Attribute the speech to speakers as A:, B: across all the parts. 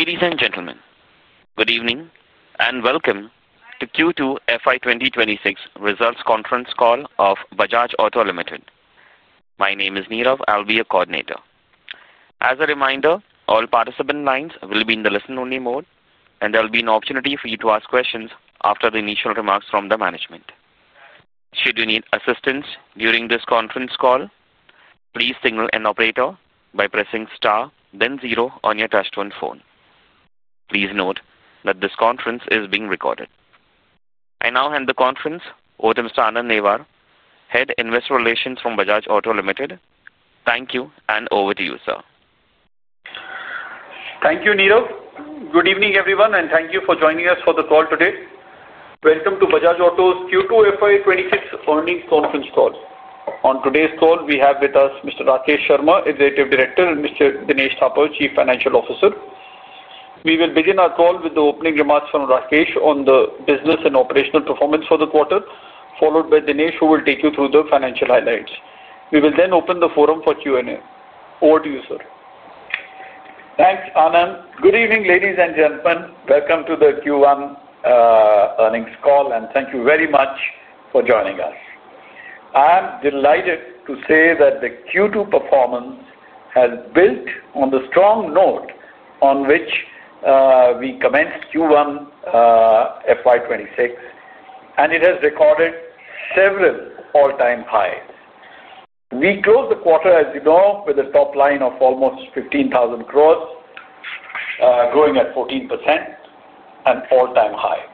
A: Ladies and gentlemen, good evening and welcome to Q2 FY 2026 results conference call of Bajaj Auto Ltd. My name is Nirav. I'll be your coordinator. As a reminder, all participant lines will be in the listen-only mode, and there'll be an opportunity for you to ask questions after the initial remarks from the management. Should you need assistance during this conference call, please signal an operator by pressing star, then zero on your touchtone phone. Please note that this conference is being recorded. I now hand the conference over to Mr. Anand Newar, Head Investor Relations from Bajaj Auto Ltd. Thank you, and over to you, sir.
B: Thank you, Nirav. Good evening, everyone, and thank you for joining us for the call today. Welcome to Bajaj Auto's Q2 FY 2026 earnings conference call. On today's call, we have with us Mr. Rakesh Sharma, Executive Director, and Mr. Dinesh Thapar, Chief Financial Officer. We will begin our call with the opening remarks from Rakesh on the business and operational performance for the quarter, followed by Dinesh, who will take you through the financial highlights. We will then open the forum for Q&A. Over to you, sir.
C: Thanks, Anand. Good evening, ladies and gentlemen. Welcome to the Q1 earnings call, and thank you very much for joining us. I am delighted to say that the Q2 performance has built on the strong note on which we commenced Q1 FY 2026, and it has recorded several all-time highs. We closed the quarter, as you know, with a top line of almost 15,000 crore, growing at 14%, an all-time high.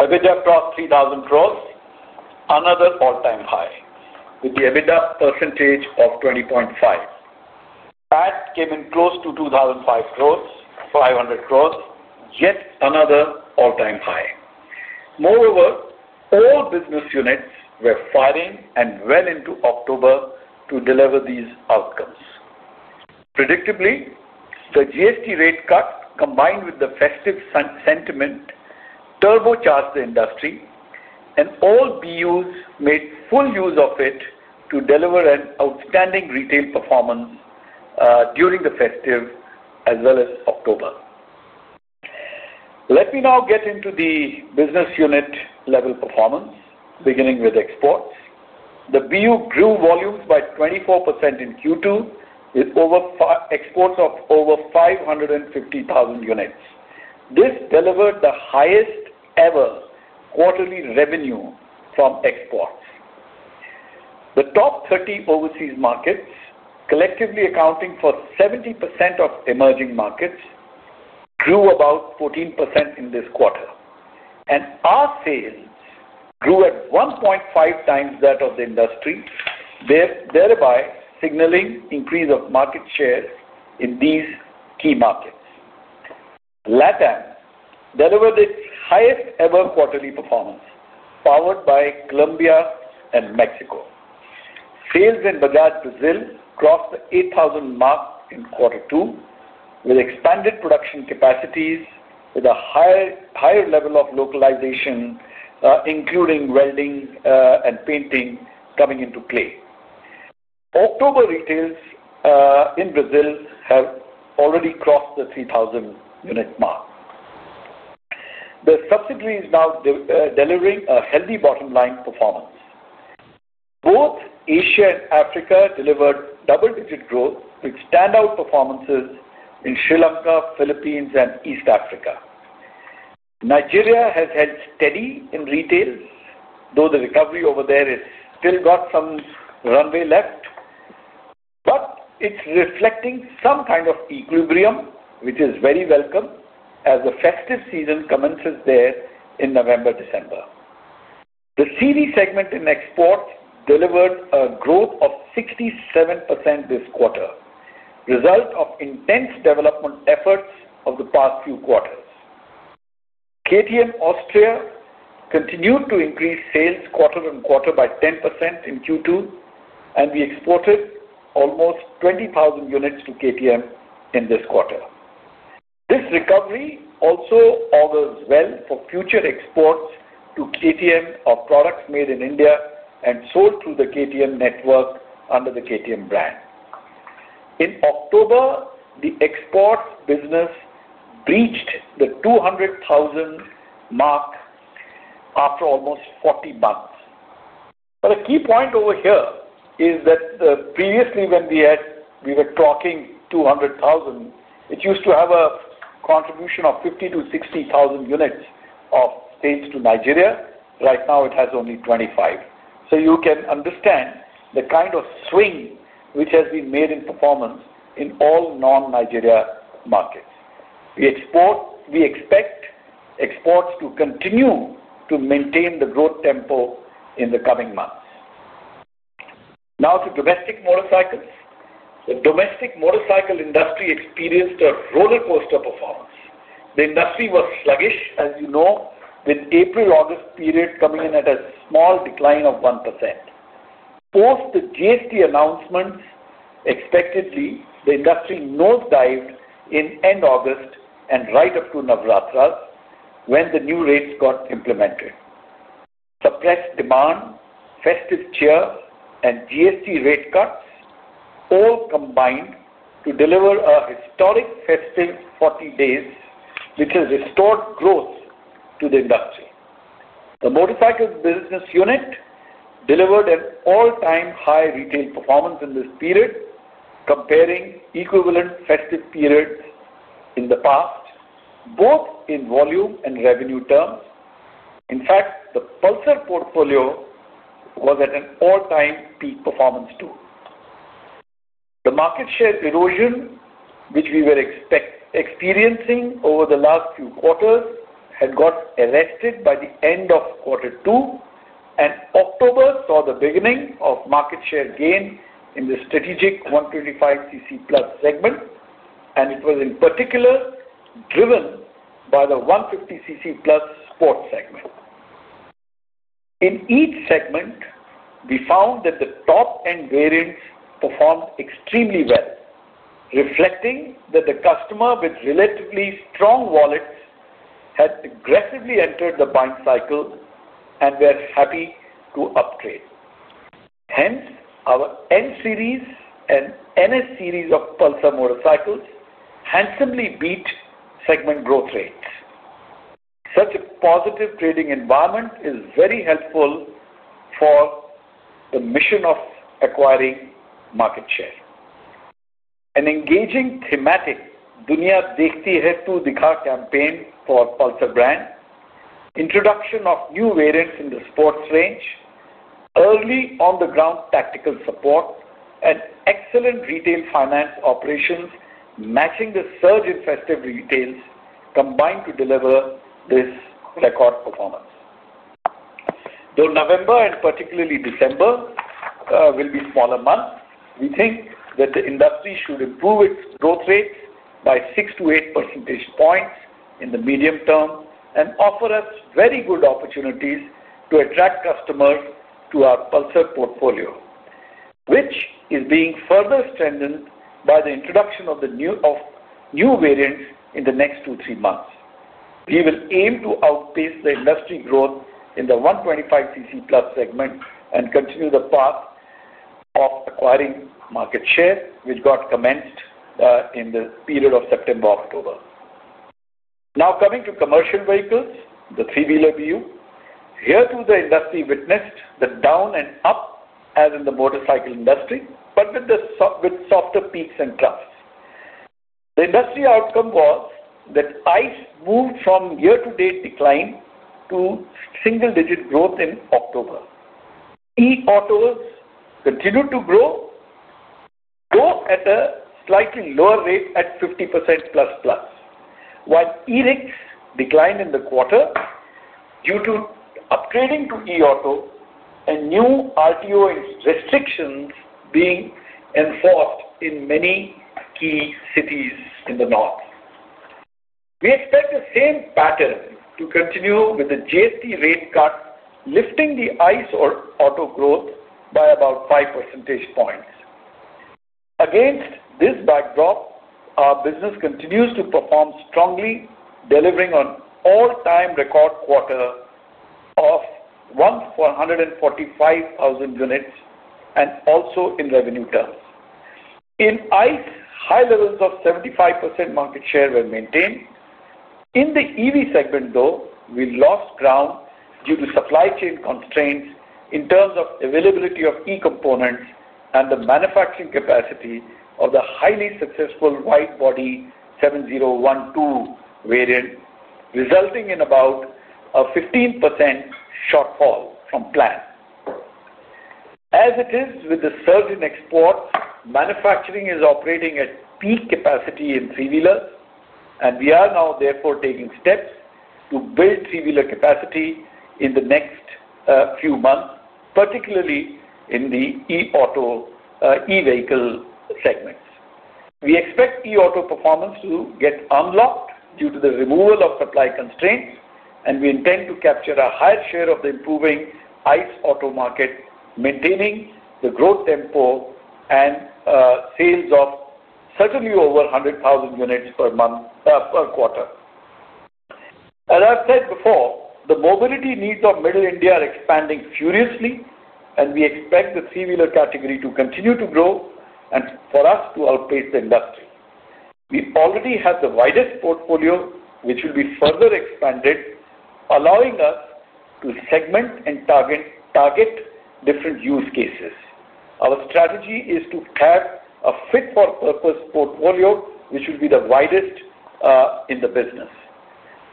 C: EBITDA crossed 3,000 crore, another all-time high, with the EBITDA percentage of 20.5%. PAT came in close to 2,005 crore, 500 crore, yet another all-time high. Moreover, all business units were firing and well into October to deliver these outcomes. Predictably, the GST rate cut, combined with the festive sentiment, turbocharged the industry, and all BUs made full use of it to deliver an outstanding retail performance during the festive as well as October. Let me now get into the business unit-level performance, beginning with exports. The BU grew volumes by 24% in Q2, with exports of over 550,000 units. This delivered the highest-ever quarterly revenue from exports. The top 30 overseas markets, collectively accounting for 70% of emerging markets, grew about 14% in this quarter, and our sales grew at 1.5x that of the industry, thereby signaling an increase of market share in these key markets. LATAM delivered its highest-ever quarterly performance, powered by Colombia and Mexico. Sales in Bajaj Brazil crossed the 8,000 mark in Q2, with expanded production capacities, with a higher level of localization, including welding and painting coming into play. October retails in Brazil have already crossed the 3,000-unit mark. The subsidiaries now delivering a healthy bottom-line performance. Both Asia and Africa delivered double-digit growth with standout performances in Sri Lanka, the Philippines, and East Africa. Nigeria has held steady in retail, though the recovery over there has still got some runway left, but it's reflecting some kind of equilibrium, which is very welcome as the festive season commences there in November, December. The CV segment in exports delivered a growth of 67% this quarter, result of intense development efforts of the past few quarters. KTM Austria continued to increase sales quarter on quarter by 10% in Q2, and we exported almost 20,000 units to KTM in this quarter. This recovery also augurs well for future exports to KTM of products made in India and sold through the KTM network under the KTM brand. In October, the Exports business breached the 200,000 mark after almost 40 months. A key point over here is that previously, when we were talking 200,000, it used to have a contribution of 50,000-60,000 units of sales to Nigeria. Right now, it has only 25,000. So you can understand the kind of swing which has been made in performance in all non-Nigeria markets. We expect exports to continue to maintain the growth tempo in the coming months. Now to domestic motorcycles. The domestic motorcycle industry experienced a rollercoaster performance. The industry was sluggish, as you know, with the April-August period coming in at a small decline of 1%. Post the GST announcement, expectedly, the industry nosedived in end August and right up to Navratri when the new rates got implemented. Suppressed demand, festive cheer, and GST rate cuts all combined to deliver a historic festive 40 days, which has restored growth to the industry. The Motorcycle business unit delivered an all-time high retail performance in this period, comparing equivalent festive periods in the past, both in volume and revenue terms. In fact, the Pulsar portfolio was at an all-time peak performance too. The market share erosion, which we were experiencing over the last few quarters, had got erased by the end of Q2, and October saw the beginning of market share gain in the strategic 125cc+ segment, and it was in particular driven by the 150cc+ sports segment. In each segment, we found that the top-end variants performed extremely well, reflecting that the customer with relatively strong wallets had aggressively entered the buying cycle and were happy to upgrade. Hence, our N-series and NS-series of Pulsar motorcycles handsomely beat segment growth rates. Such a positive trading environment is very helpful for the mission of acquiring market share. An engaging thematic "Duniya Dekhti Hai, Tu Dikha" campaign for the Pulsar brand, introduction of new variants in the sports range, early on-the-ground tactical support, and excellent retail finance operations matching the surge in festive retails combined to deliver this record performance. Though November, and particularly December, will be smaller months, we think that the industry should improve its growth rates by 6-8 percentage points in the medium term and offer us very good opportunities to attract customers to our Pulsar portfolio, which is being further strengthened by the introduction of new variants in the next two to three months. We will aim to outpace the industry growth in the 125cc+ segment and continue the path of acquiring market share, which got commenced in the period of September-October. Now coming to commercial vehicles, the three-wheeler BU, here too, the industry witnessed the down and up as in the motorcycle industry, but with softer peaks and troughs. The industry outcome was that ICE moved from year-to-date decline to single-digit growth in October. E-autos continued to grow, though at a slightly lower rate at 50%++, while e-rick declined in the quarter due to upgrading to e-auto and new RTO restrictions being enforced in many key cities in the north. We expect the same pattern to continue with the GST rate cut, lifting the ICE or auto growth by about 5 percentage points. Against this backdrop, our business continues to perform strongly, delivering on all-time record quarter of 1,445,000 units and also in revenue terms. In ICE, high levels of 75% market share were maintained. In the EV segment, though, we lost ground due to supply chain constraints in terms of availability of e-components and the manufacturing capacity of the highly successful widebody 7012 variant, resulting in about a 15% shortfall from plan. As it is with the surge in exports, manufacturing is operating at peak capacity in three-wheelers, and we are now, therefore, taking steps to build three-wheeler capacity in the next few months, particularly in the e-auto e-vehicle segments. We expect e-auto performance to get unlocked due to the removal of supply constraints, and we intend to capture a higher share of the improving ICE auto market, maintaining the growth tempo and sales of certainly over 100,000 units per quarter. As I've said before, the mobility needs of middle India are expanding furiously, and we expect the three-wheeler category to continue to grow and for us to outpace the industry. We already have the widest portfolio, which will be further expanded, allowing us to segment and target different use cases. Our strategy is to have a fit-for-purpose portfolio, which will be the widest in the business.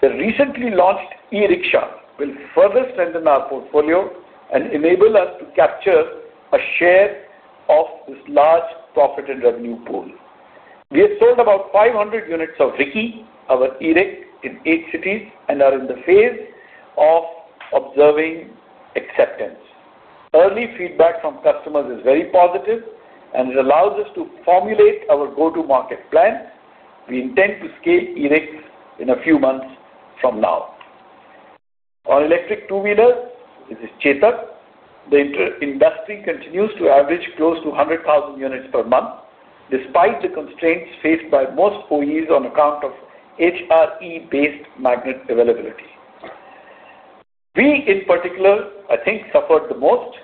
C: The recently launched e-rickshaw will further strengthen our portfolio and enable us to capture a share of this large profit and revenue pool. We have sold about 500 units of Riki, our e-rick, in eight cities and are in the phase of observing acceptance. Early feedback from customers is very positive, and it allows us to formulate our go-to-market plan. We intend to scale e-rick in a few months from now. On electric two-wheelers, this is Chetak. The industry continues to average close to 100,000 units per month, despite the constraints faced by most OEs on account of HRE-based magnet availability. We, in particular, I think, suffered the most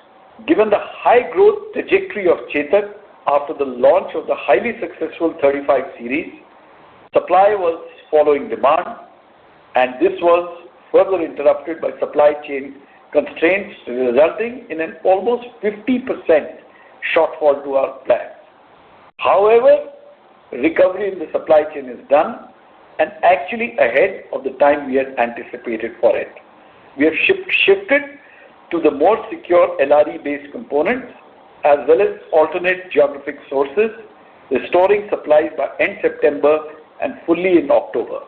C: given the high growth trajectory of Chetak after the launch of the highly successful 35 series. Supply was following demand, and this was further interrupted by supply chain constraints, resulting in an almost 50% shortfall to our plan. However, recovery in the supply chain is done and actually ahead of the time we had anticipated for it. We have shifted to the more secure LRE-based components as well as alternate geographic sources, restoring supplies by end September and fully in October,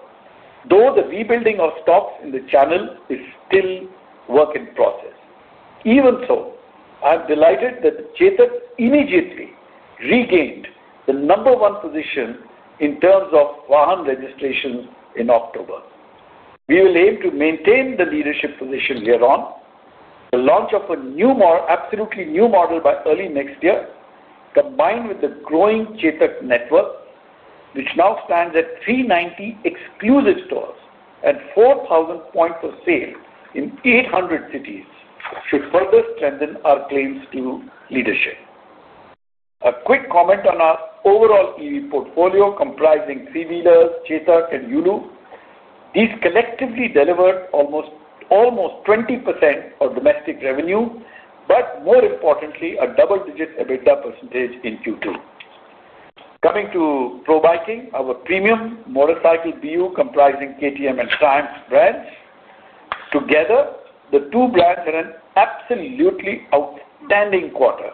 C: though the rebuilding of stocks in the channel is still a work in process. Even so, I'm delighted that Chetak immediately regained the number one position in terms of [Bajaj] registrations in October. We will aim to maintain the leadership position here on the launch of a new, absolutely new model by early next year, combined with the growing Chetak network, which now stands at 390 exclusive stores and 4,000 points of sale in 800 cities, should further strengthen our claims to leadership. A quick comment on our overall EV portfolio comprising three-wheelers, Chetak, and Yulu. These collectively delivered almost 20% of domestic revenue, but more importantly, a double-digit EBITDA percentage in Q2. Coming to Probiking, our premium motorcycle BU comprising KTM and Triumph brands. Together, the two brands had an absolutely outstanding quarter,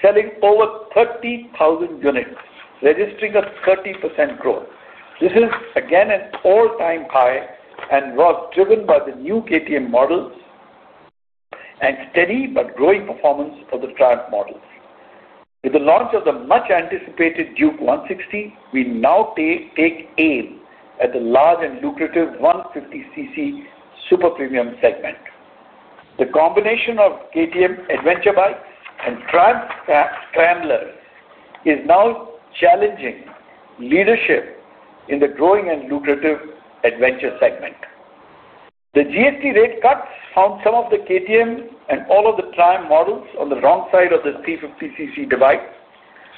C: selling over 30,000 units, registering a 30% growth. This is, again, an all-time high and was driven by the new KTM models and steady but growing performance of the Triumph models. With the launch of the much-anticipated Duke 160, we now take aim at the large and lucrative 150cc super premium segment. The combination of KTM Adventure bikes and Triumph Scramblers is now challenging leadership in the growing and lucrative adventure segment. The GST rate cuts found some of the KTM and all of the Triumph models on the wrong side of the 350cc divide.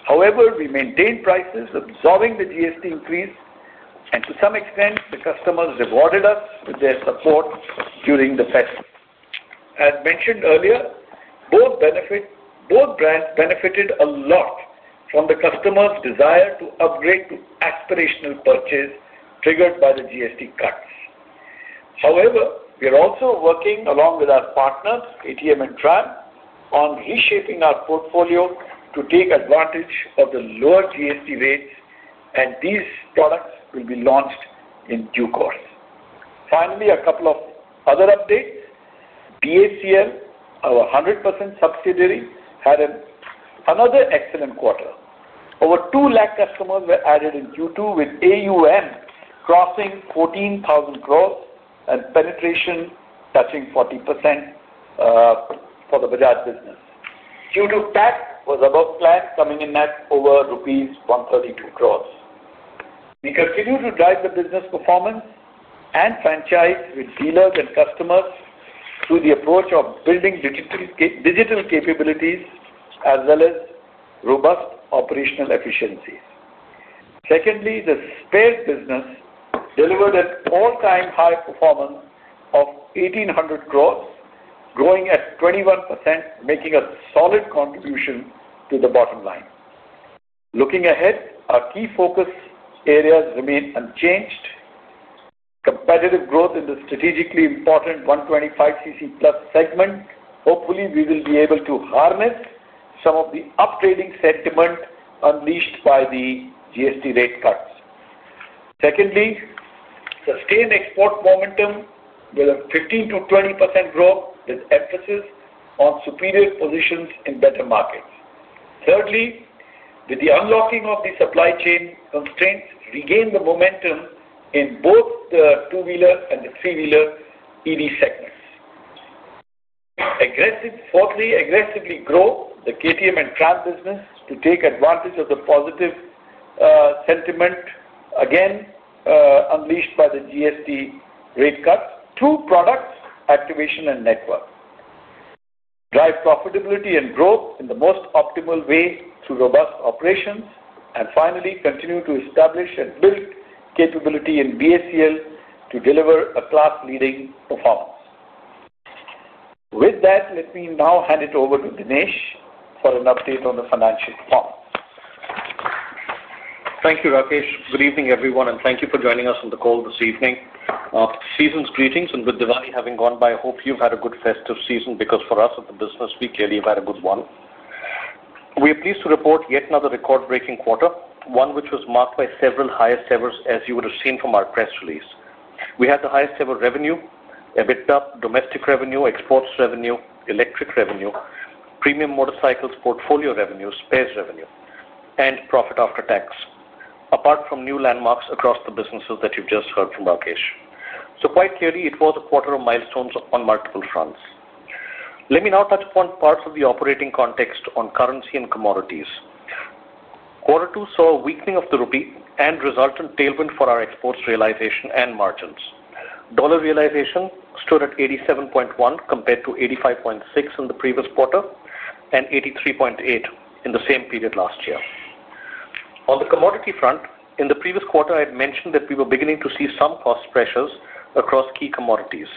C: However, we maintained prices, absorbing the GST increase, and to some extent, the customers rewarded us with their support during the festival. As mentioned earlier, both brands benefited a lot from the customers' desire to upgrade to aspirational purchase triggered by the GST cuts. However, we are also working along with our partners, KTM and Triumph, on reshaping our portfolio to take advantage of the lower GST rates, and these products will be launched in due course. Finally, a couple of other updates. DACL, our 100% subsidiary, had another excellent quarter. Over 200,000 customers were added in Q2, with AUM crossing 14,000 crore and penetration touching 40% for the Bajaj business. Due to [PAT], it was above plan, coming in at over rupees 132 crore. We continue to drive the business performance and franchise with dealers and customers through the approach of building digital capabilities as well as robust operational efficiencies. Secondly, the spare business delivered an all-time high performance of 1,800 crore, growing at 21%, making a solid contribution to the bottom line. Looking ahead, our key focus areas remain unchanged. Competitive growth in the strategically important 125cc+ segment. Hopefully, we will be able to harness some of the upgrading sentiment unleashed by the GST rate cuts. Secondly, sustained export momentum with a 15%-20% growth with emphasis on superior positions in better markets. Thirdly, with the unlocking of the supply chain constraints, regain the momentum in both the two-wheeler and the three-wheeler EV segments. Fourthly, aggressively grow the KTM and Triumph business to take advantage of the positive sentiment again unleashed by the GST rate cuts through product activation and network. Drive profitability and growth in the most optimal way through robust operations. Finally, continue to establish and build capability in DACL to deliver a class-leading performance. With that, let me now hand it over to Dinesh for an update on the financial performance.
D: Thank you, Rakesh. Good evening, everyone, and thank you for joining us on the call this evening. Season's greetings, and with Diwali having gone by, I hope you've had a good festive season because for us at the business, we clearly have had a good one. We are pleased to report yet another record-breaking quarter, one which was marked by several highest ever, as you would have seen from our press release. We had the highest ever revenue, EBITDA, domestic revenue, exports revenue, electric revenue, premium motorcycles portfolio revenue, spares revenue, and profit after tax, apart from new landmarks across the businesses that you have just heard from, Rakesh. Quite clearly, it was a quarter of milestones on multiple fronts. Let me now touch upon parts of the operating context on currency and commodities. Quarter two saw a weakening of the rupee and resultant tailwind for our exports realization and margins. Dollar realization stood at 87.1 compared to 85.6 in the previous quarter and 83.8 in the same period last year. On the commodity front, in the previous quarter, I had mentioned that we were beginning to see some cost pressures across key commodities.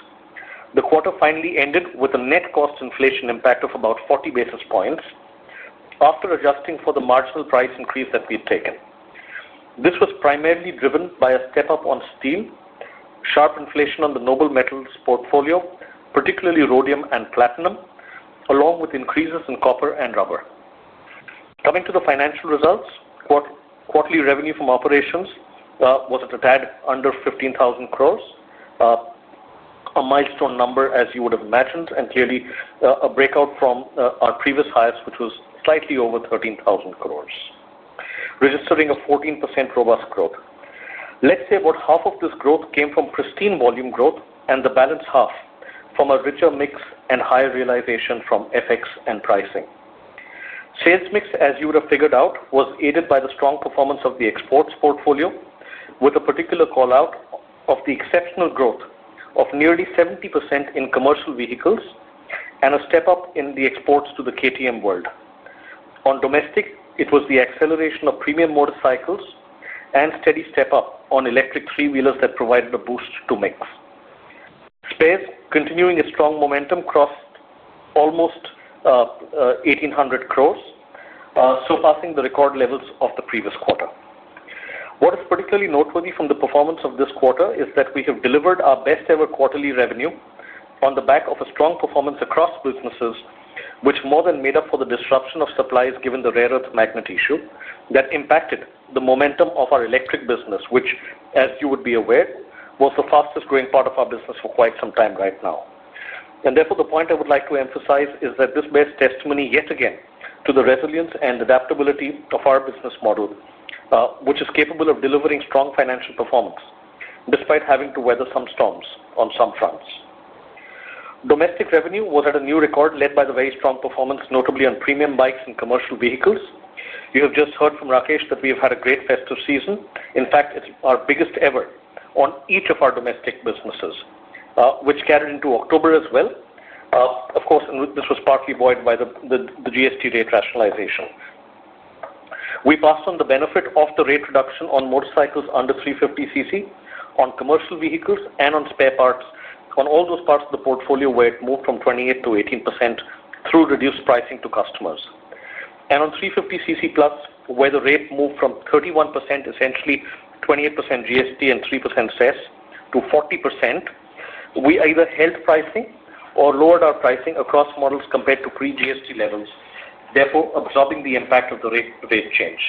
D: The quarter finally ended with a net cost inflation impact of about 40 basis points after adjusting for the marginal price increase that we had taken. This was primarily driven by a step up on steel, sharp inflation on the noble metals portfolio, particularly rhodium and platinum, along with increases in copper and rubber. Coming to the financial results, quarterly revenue from operations was at a tad under 15,000 crore, a milestone number, as you would have imagined, and clearly a breakout from our previous highest, which was slightly over 13,000 crore, registering a 14% robust growth. Let's say about half of this growth came from pristine volume growth and the balance half from a richer mix and higher realization from FX and pricing. Sales mix, as you would have figured out, was aided by the strong performance of the exports portfolio, with a particular call out of the exceptional growth of nearly 70% in commercial vehicles and a step up in the exports to the KTM world. On domestic, it was the acceleration of premium motorcycles and steady step up on electric three-wheelers that provided a boost to mix. Spares, continuing a strong momentum, crossed almost 1,800 crore, surpassing the record levels of the previous quarter. What is particularly noteworthy from the performance of this quarter is that we have delivered our best-ever quarterly revenue on the back of a strong performance across businesses, which more than made up for the disruption of supplies given the rare earth magnet issue that impacted the momentum of our electric business, which, as you would be aware, was the fastest growing part of our business for quite some time right now. The point I would like to emphasize is that this bears testimony yet again to the resilience and adaptability of our business model, which is capable of delivering strong financial performance despite having to weather some storms on some fronts. Domestic revenue was at a new record led by the very strong performance, notably on premium bikes and commercial vehicles. You have just heard from Rakesh that we have had a great festive season. In fact, it's our biggest ever on each of our domestic businesses, which carried into October as well. Of course, this was partly voided by the GST rate rationalization. We passed on the benefit of the rate reduction on motorcycles under 350cc, on commercial vehicles, and on spare parts, on all those parts of the portfolio where it moved from 28% to 18% through reduced pricing to customers. On 350cc+, where the rate moved from 31%, essentially 28% GST and 3% SAS, to 40%, we either held pricing or lowered our pricing across models compared to pre-GST levels, therefore absorbing the impact of the rate change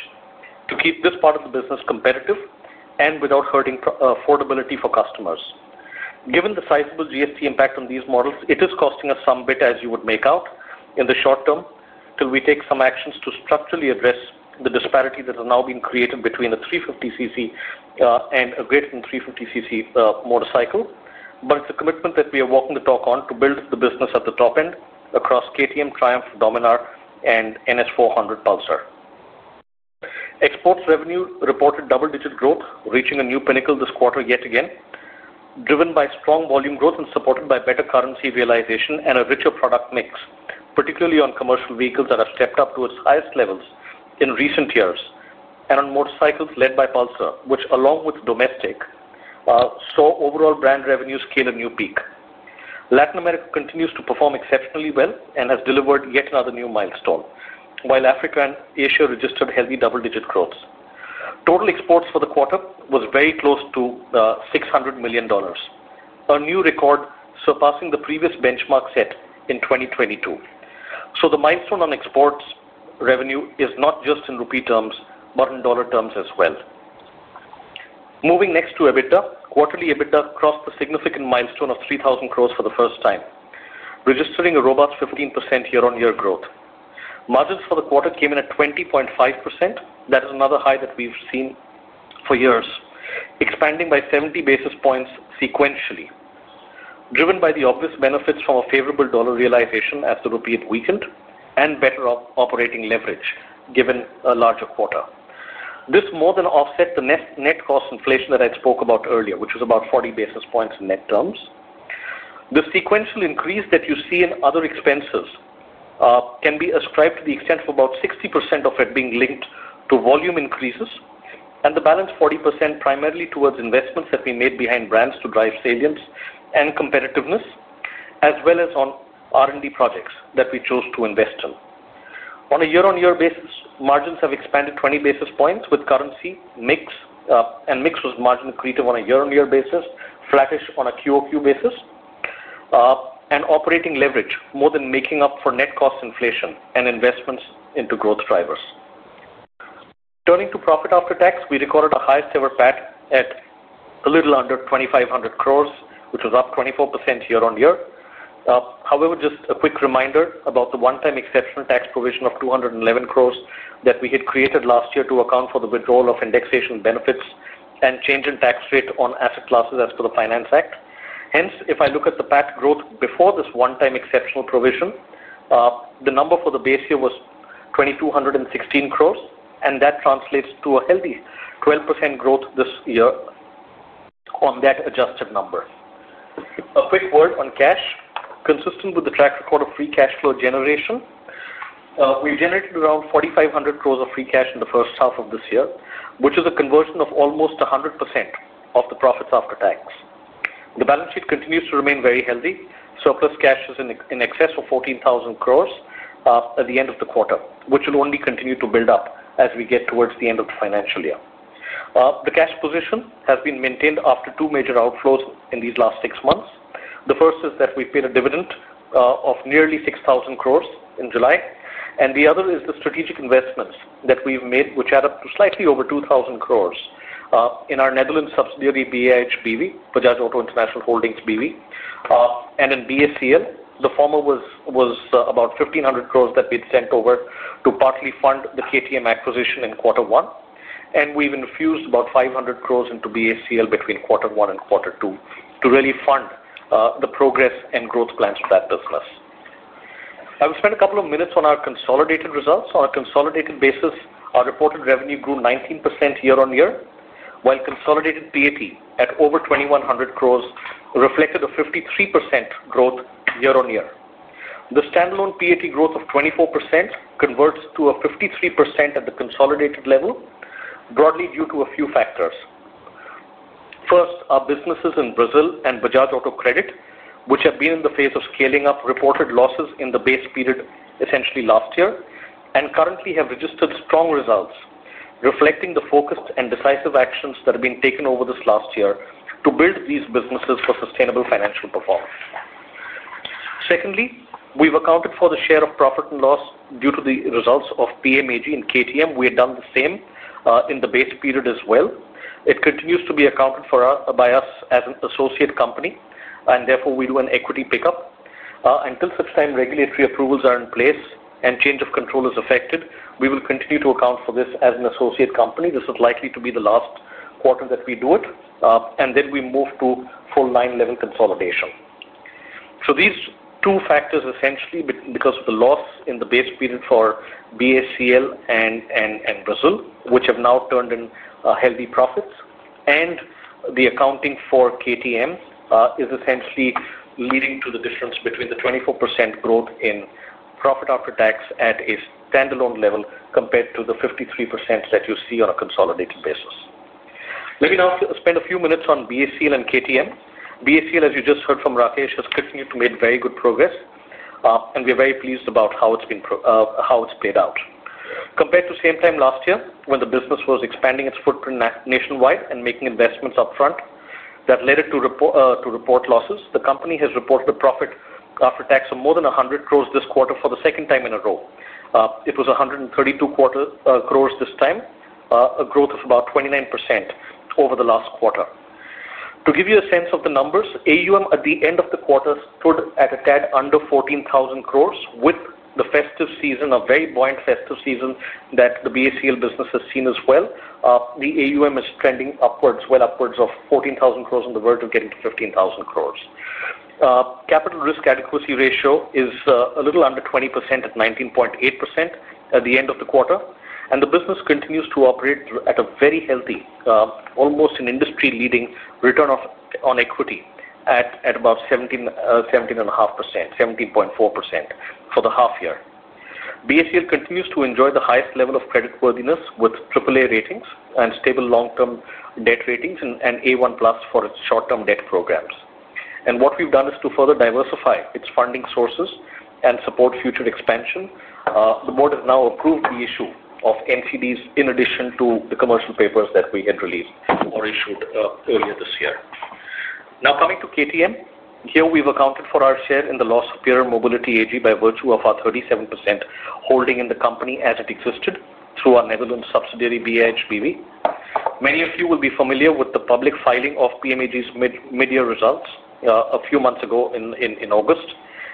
D: to keep this part of the business competitive and without hurting affordability for customers. Given the sizable GST impact on these models, it is costing us some bit, as you would make out, in the short term till we take some actions to structurally address the disparity that has now been created between a 350cc and a greater-than-350cc motorcycle. It is a commitment that we are walking the talk on to build the business at the top end across KTM, Triumph, Dominar, and NS400 Pulsar. Exports revenue reported double-digit growth, reaching a new pinnacle this quarter yet again, driven by strong volume growth and supported by better currency realization and a richer product mix, particularly on commercial vehicles that have stepped up to its highest levels in recent years, and on motorcycles led by Pulsar, which, along with domestic, saw overall brand revenue scale a new peak. Latin America continues to perform exceptionally well and has delivered yet another new milestone, while Africa and Asia registered heavy double-digit growth. Total exports for the quarter was very close to $600 million, a new record surpassing the previous benchmark set in 2022. The milestone on exports revenue is not just in rupee terms but in dollar terms as well. Moving next to EBITDA, quarterly EBITDA crossed the significant milestone of 3,000 crore for the first time, registering a robust 15% year-on-year growth. Margins for the quarter came in at 20.5%. That is another high that we've seen for years, expanding by 70 basis points sequentially, driven by the obvious benefits from a favorable dollar realization as the rupee had weakened and better operating leverage given a larger quarter. This more than offsets the net cost inflation that I spoke about earlier, which was about 40 basis points in net terms. The sequential increase that you see in other expenses can be ascribed to the extent of about 60% of it being linked to volume increases, and the balance 40% primarily towards investments that we made behind brands to drive salience and competitiveness, as well as on R&D projects that we chose to invest in. On a year-on-year basis, margins have expanded 20 basis points with currency mix, and mix was margin accretive on a year-on-year basis, flattish on a QoQ basis, and operating leverage more than making up for net cost inflation and investments into growth drivers. Turning to profit after tax, we recorded a highest ever PAT at a little under 2,500 crore, which was up 24% year-on-year. However, just a quick reminder about the one-time exceptional tax provision of 2,110 crores that we had created last year to account for the withdrawal of indexation benefits and change in tax rate on asset classes as per the Finance Act. Hence, if I look at the PAT growth before this one-time exceptional provision, the number for the base year was 22,160 crores, and that translates to a healthy 12% growth this year on that adjusted number. A quick word on cash, consistent with the track record of free cash flow generation, we generated around 4,500 crores of free cash in the first half of this year, which is a conversion of almost 100% of the profits after tax. The balance sheet continues to remain very healthy. Surplus cash is in excess of 14,000 crore at the end of the quarter, which will only continue to build up as we get towards the end of the financial year. The cash position has been maintained after two major outflows in these last six months. The first is that we paid a dividend of nearly 6,000 crore in July, and the other is the strategic investments that we've made, which add up to slightly over 2,000 crore in our Netherlands subsidiary BAIH BV and in BACL. The former was about 1,500 crore that we had sent over to partly fund the KTM acquisition in quarter one, and we've infused about 500 crore into BACL between quarter one and quarter two to really fund the progress and growth plans for that business. I will spend a couple of minutes on our consolidated results. On a consolidated basis, our reported revenue grew 19% year-on-year, while consolidated PAT at over 2,100 crore reflected a 53% growth year-on-year. The standalone PAT growth of 24% converts to a 53% at the consolidated level, broadly due to a few factors. First, our businesses in Brazil and Bajaj Auto Credit, which have been in the phase of scaling up, reported losses in the base period, essentially last year, and currently have registered strong results, reflecting the focused and decisive actions that have been taken over this last year to build these businesses for sustainable financial performance. Secondly, we've accounted for the share of profit and loss due to the results of PMAG and KTM. We had done the same in the base period as well. It continues to be accounted for by us as an associate company, and therefore we do an equity pickup. Until such time regulatory approvals are in place and change of control is effected, we will continue to account for this as an associate company. This is likely to be the last quarter that we do it, and then we move to full nine-level consolidation. These two factors, essentially because of the loss in the base period for BACL and Brazil, which have now turned in healthy profits, and the accounting for KTM is essentially leading to the difference between the 24% growth in profit after tax at a standalone level compared to the 53% that you see on a consolidated basis. Let me now spend a few minutes on BACL and KTM. BACL, as you just heard from Rakesh, has continued to make very good progress, and we are very pleased about how it's played out. Compared to same time last year when the business was expanding its footprint nationwide and making investments upfront that led it to report losses, the company has reported a profit after tax of more than 100 crore this quarter for the second time in a row. It was 132 crore this time, a growth of about 29% over the last quarter. To give you a sense of the numbers, AUM at the end of the quarter stood at a tad under 14,000 crore with the festive season, a very buoyant festive season that the BACL business has seen as well. The AUM is trending upwards, well upwards of 14,000 crore on the verge of getting to 15,000 crore. Capital risk adequacy ratio is a little under 20% at 19.8% at the end of the quarter, and the business continues to operate at a very healthy, almost an industry-leading return on equity at about 17.5%, 17.4% for the half year. BACL continues to enjoy the highest level of creditworthiness with AAA ratings and stable long-term debt ratings and A1+ for its short-term debt programs. What we've done is to further diversify its funding sources and support future expansion. The board has now approved the issue of NCDs in addition to the commercial papers that we had released or issued earlier this year. Now coming to KTM, here we've accounted for our share in the loss of Pierer Mobility AG by virtue of our 37% holding in the company as it existed through our Netherlands subsidiary BAIH BV. Many of you will be familiar with the public filing of PMAG's mid-year results a few months ago in August,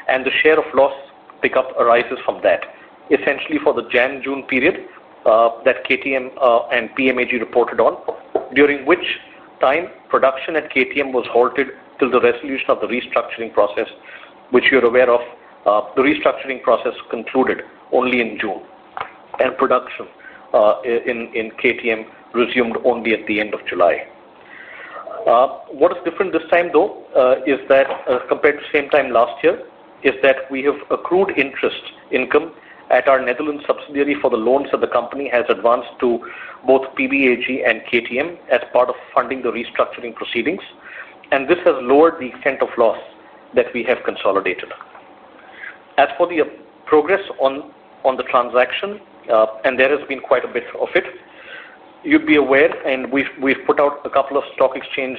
D: and the share of loss pickup arises from that, essentially for the January-June period that KTM and PMAG reported on, during which time production at KTM was halted till the resolution of the restructuring process, which you're aware of. The restructuring process concluded only in June, and production in KTM resumed only at the end of July. What is different this time, though, is that compared to same time last year, is that we have accrued interest income at our Netherlands subsidiary for the loans that the company has advanced to both PMAG and KTM as part of funding the restructuring proceedings, and this has lowered the extent of loss that we have consolidated. As for the progress on the transaction, and there has been quite a bit of it, you'd be aware, and we've put out a couple of stock exchange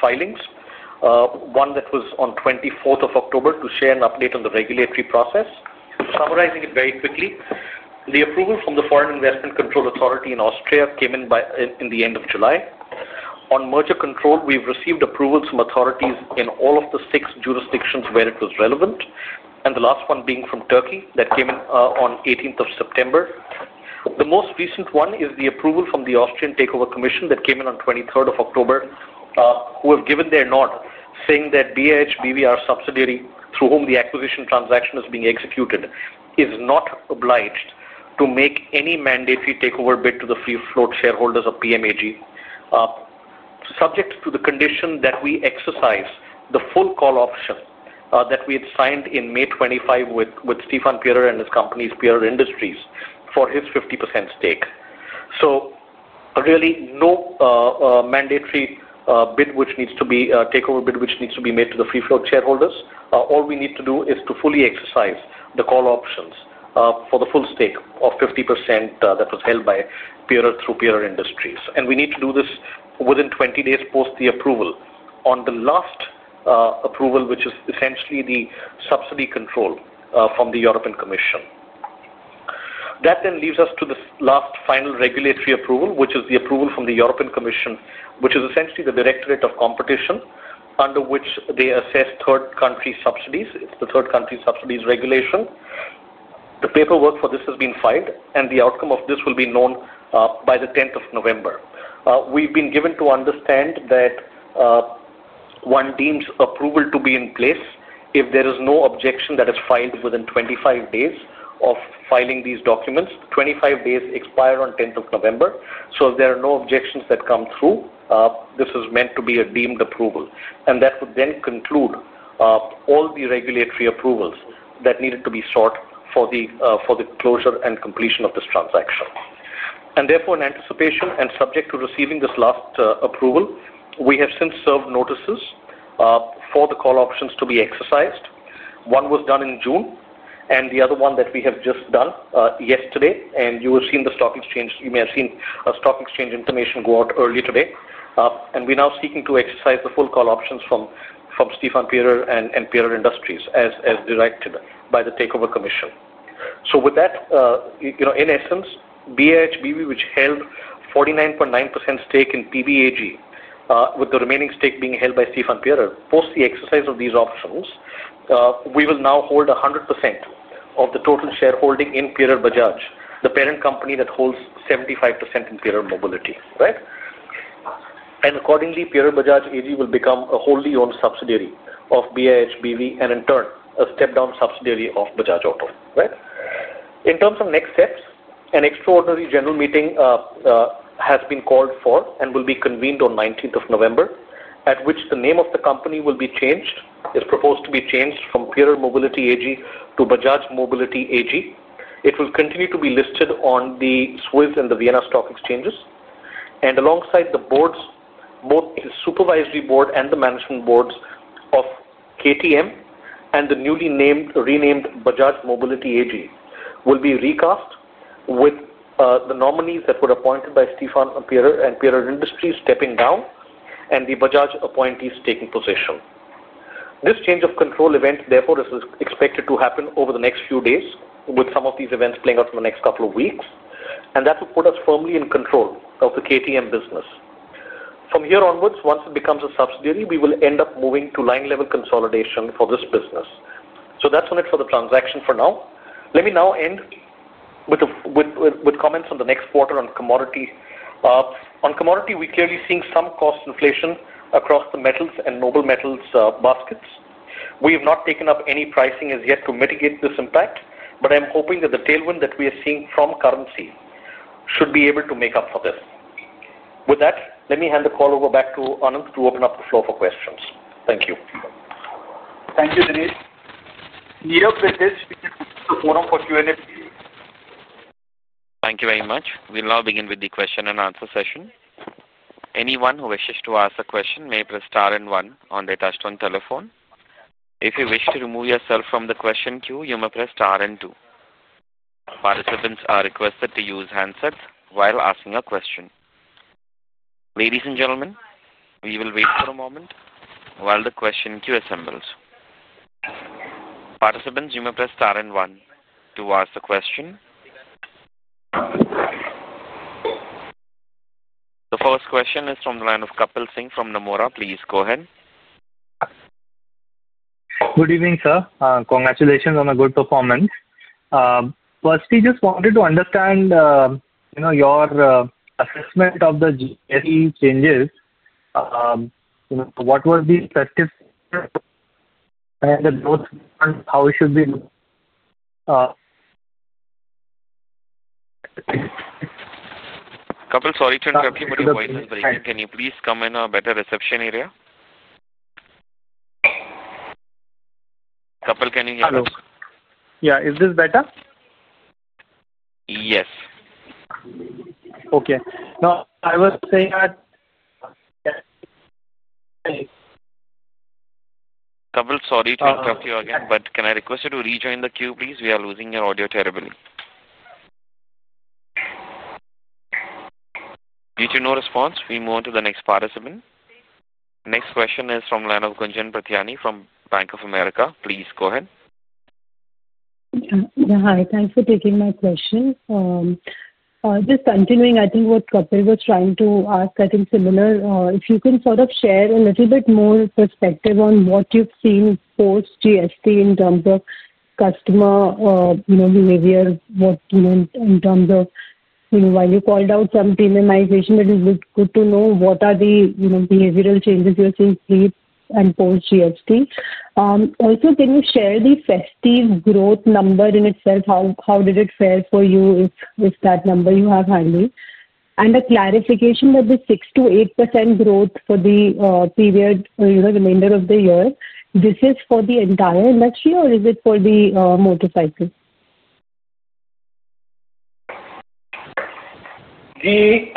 D: filings, one that was on 24th of October to share an update on the regulatory process. Summarizing it very quickly, the approval from the Foreign Investment Control Authority in Austria came in the end of July. On merger control, we've received approvals from authorities in all of the six jurisdictions where it was relevant, and the last one being from Turkey that came in on 18th of September. The most recent one is the approval from the Austrian Takeover Commission that came in on 23rd of October, who have given their nod, saying that BAIH BV, our subsidiary through whom the acquisition transaction is being executed, is not obliged to make any mandatory takeover bid to the free float shareholders of PMAG, subject to the condition that we exercise the full call option that we had signed in May 25 with Stefan Pierer and his companies, Pierer Industries, for his 50% stake. Really no mandatory bid, which needs to be takeover bid, which needs to be made to the free float shareholders. All we need to do is to fully exercise the call options for the full stake of 50% that was held by Pierer through Pierer Industries. We need to do this within 20 days post the approval on the last approval, which is essentially the subsidy control from the European Commission. That then leads us to the last final regulatory approval, which is the approval from the European Commission, which is essentially the Directorate of Competition, under which they assess third country subsidies. It's the third country subsidies regulation. The paperwork for this has been filed, and the outcome of this will be known by the 10th of November. We've been given to understand that one deems approval to be in place if there is no objection that is filed within 25 days of filing these documents. 25 days expire on 10th of November. If there are no objections that come through, this is meant to be a deemed approval, and that would then conclude all the regulatory approvals that needed to be sought for the closure and completion of this transaction. Therefore, in anticipation and subject to receiving this last approval, we have since served notices for the call options to be exercised. One was done in June, and the other one that we have just done yesterday, and you will see in the stock exchange, you may have seen a stock exchange information go out early today. We are now seeking to exercise the full call options from Stefan Pierer and Pierer Industries as directed by the Takeover Commission. With that, in essence, BAIH BV, which held 49.9% stake in PBAG, with the remaining stake being held by Stefan Pierer, post the exercise of these options, we will now hold 100% of the total shareholding in Pierer Bajaj, the parent company that holds 75% in Pierer Mobility, right? Accordingly, Pierer Bajaj AG will become a wholly owned subsidiary of BAIH BV, and in turn, a step-down subsidiary of Bajaj Auto, right? In terms of next steps, an extraordinary general meeting has been called for and will be convened on 19th of November, at which the name of the company will be changed, is proposed to be changed from Pierer Mobility AG to Bajaj Mobility AG. It will continue to be listed on the Swiss and the Vienna Stock Exchanges, and alongside the boards, both the Supervisory Board and the Management Boards of KTM and the newly renamed Bajaj Mobility AG will be recast with the nominees that were appointed by Stefan Pierer and Pierer Industries stepping down and the Bajaj appointees taking position. This change of control event, therefore, is expected to happen over the next few days, with some of these events playing out in the next couple of weeks, and that will put us firmly in control of the KTM business. From here onwards, once it becomes a subsidiary, we will end up moving to line-level consolidation for this business. That is on it for the transaction for now. Let me now end with comments on the next quarter on commodity. On commodity, we're clearly seeing some cost inflation across the metals and noble metals baskets. We have not taken up any pricing as yet to mitigate this impact, but I'm hoping that the tailwind that we are seeing from currency should be able to make up for this. With that, let me hand the call over back to Anand to open up the floor for questions. Thank you.
B: Thank you, Dinesh. We have the discrete forum for Q&A.
A: Thank you very much. We'll now begin with the question and answer session. Anyone who wishes to ask a question may press star and one on their touch-tone telephone. If you wish to remove yourself from the question queue, you may press star and two. Participants are requested to use handsets while asking a question. Ladies and gentlemen, we will wait for a moment while the question queue assembles. Participants, you may press star and one to ask the question. The first question is from the line of Kapil Singh from Nomura. Please go ahead.
E: Good evening, sir. Congratulations on a good performance. First, we just wanted to understand your assessment of the changes. What was the effective and the growth, how it should be?
A: Kapil, sorry to interrupt you, but your voice is breaking. Can you please come in a better reception area? Kapil, can you hear us?
E: Hello. Yeah. Is this better?
A: Yes.
E: Okay. Now, I was saying that.
A: Kapil, sorry to interrupt you again, but can I request you to rejoin the queue, please? We are losing your audio terribly. Due to no response, we move on to the next participant. Next question is from the line of Gunjan Prithyani from Bank of America. Please go ahead.
F: Yeah. Hi. Thanks for taking my question. Just continuing, I think what Kapil was trying to ask, I think similar. If you can sort of share a little bit more perspective on what you've seen post GST in terms of customer behavior, what in terms of while you called out some premiumization, but it would be good to know what are the behavioral changes you're seeing pre and post GST. Also, can you share the festive growth number in itself? How did it fare for you with that number you have handy? And a clarification that the 6%-8% growth for the period, remainder of the year, this is for the entire industry or is it for the motorcycle?
C: The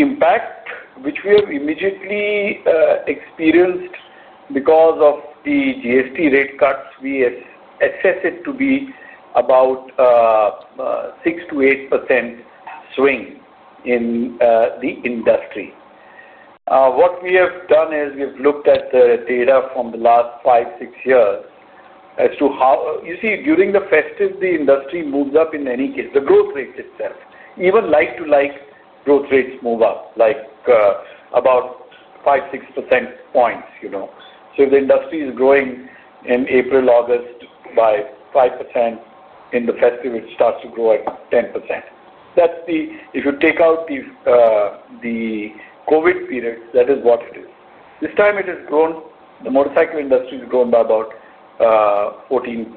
C: impact, which we have immediately experienced because of the GST rate cuts, we assess it to be about 6%-8% swing in the industry. What we have done is we've looked at the data from the last five, six years as to how you see during the festive, the industry moves up in any case. The growth rate itself, even like-to-like growth rates move up like about 5-6 percentage points. If the industry is growing in April, August by 5% in the festive, it starts to grow at 10%. If you take out the COVID period, that is what it is. This time, it has grown, the motorcycle industry has grown by about 14%.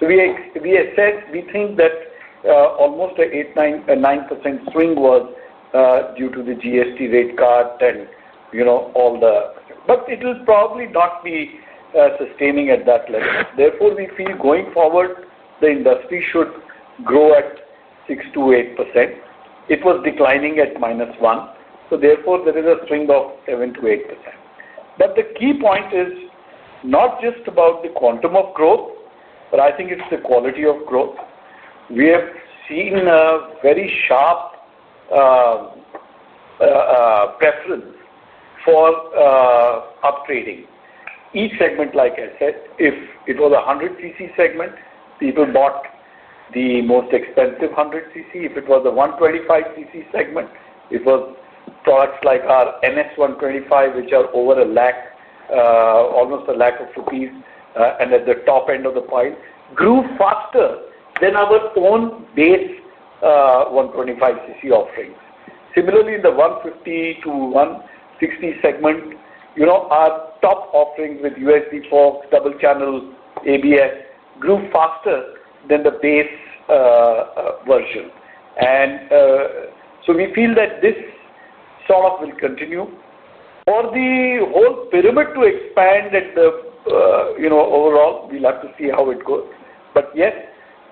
C: We assess, we think that almost an 8%-9% swing was due to the GST rate cut and all that, but it will probably not be sustaining at that level. Therefore, we feel going forward, the industry should grow at 6%-8%. It was declining at -1. Therefore, there is a swing of 7%-8%. The key point is not just about the quantum of growth, but I think it's the quality of growth. We have seen a very sharp preference for upgrading. Each segment, like I said, if it was a 100cc segment, people bought the most expensive 100cc. If it was a 125cc segment, it was products like our NS125, which are over 100,000, almost 100,000 rupees, and at the top end of the pile, grew faster than our own base 125cc offerings. Similarly, in the 150-160 segment, our top offerings with USD forks, double channel ABS, grew faster than the base version. We feel that this sort of will continue for the whole pyramid to expand at the overall. We will have to see how it goes. Yes,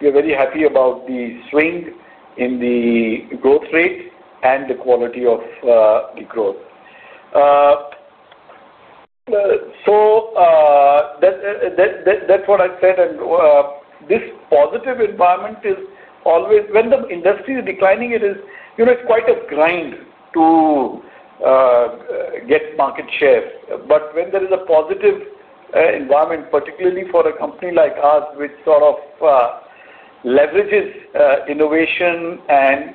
C: we are very happy about the swing in the growth rate and the quality of the growth. That is what I said. This positive environment is always when the industry is declining, it is quite a grind to get market share. When there is a positive environment, particularly for a company like ours, which sort of leverages innovation and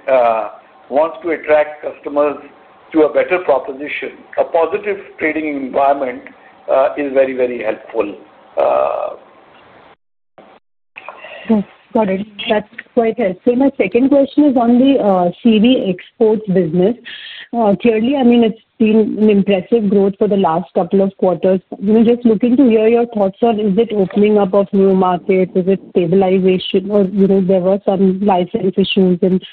C: wants to attract customers to a better proposition, a positive trading environment is very, very helpful.
F: Got it. That's quite helpful. My second question is on the CV exports business. Clearly, I mean, it's been an impressive growth for the last couple of quarters. Just looking to hear your thoughts on is it opening up of new markets, is it stabilization, or there were some license issues and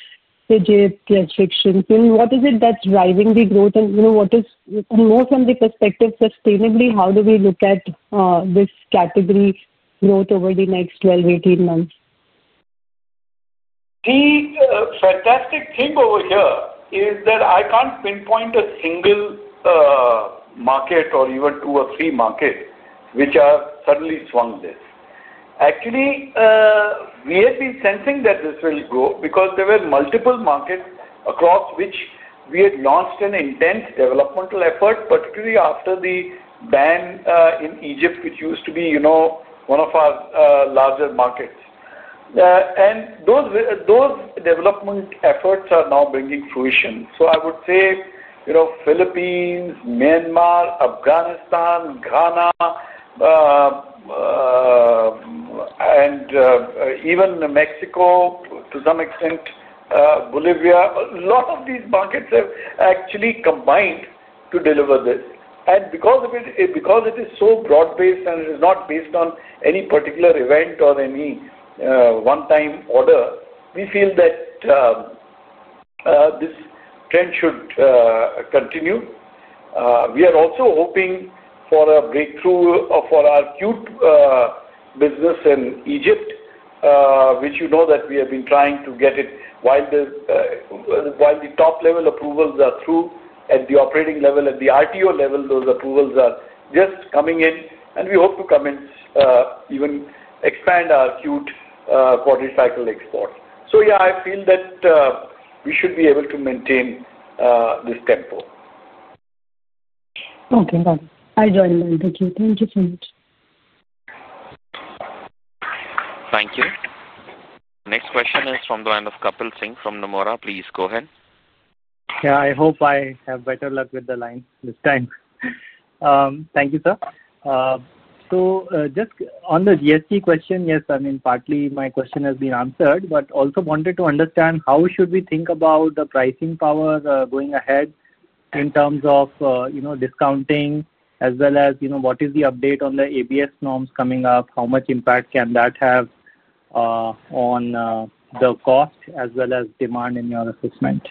F: digit restrictions. What is it that's driving the growth, and what is, and more from the perspective sustainably, how do we look at this category growth over the next 12, 18 months?
C: The fantastic thing over here is that I can't pinpoint a single market or even two or three markets which are suddenly swung this. Actually, we have been sensing that this will grow because there were multiple markets across which we had launched an intense developmental effort, particularly after the ban in Egypt, which used to be one of our larger markets. And those development efforts are now bringing fruition. I would say Philippines, Myanmar, Afghanistan, Ghana, and even Mexico to some extent, Bolivia, a lot of these markets have actually combined to deliver this. Because it is so broad-based and it is not based on any particular event or any one-time order, we feel that this trend should continue. We are also hoping for a breakthrough for our queue business in Egypt, which you know that we have been trying to get. While the top-level approvals are through, at the operating level, at the RTO level, those approvals are just coming in, and we hope to come in, even expand our queue quarter cycle exports. Yeah, I feel that we should be able to maintain this tempo.
F: Okay. Thanks. I join them. Thank you. Thank you so much.
A: Thank you. Next question is from the line of Kapil Singh from Nomura. Please go ahead.
E: Yeah. I hope I have better luck with the line this time. Thank you, sir. Just on the GST question, yes, I mean, partly my question has been answered, but also wanted to understand how should we think about the pricing power going ahead in terms of discounting as well as what is the update on the ABS norms coming up? How much impact can that have on the cost as well as demand in your assessment?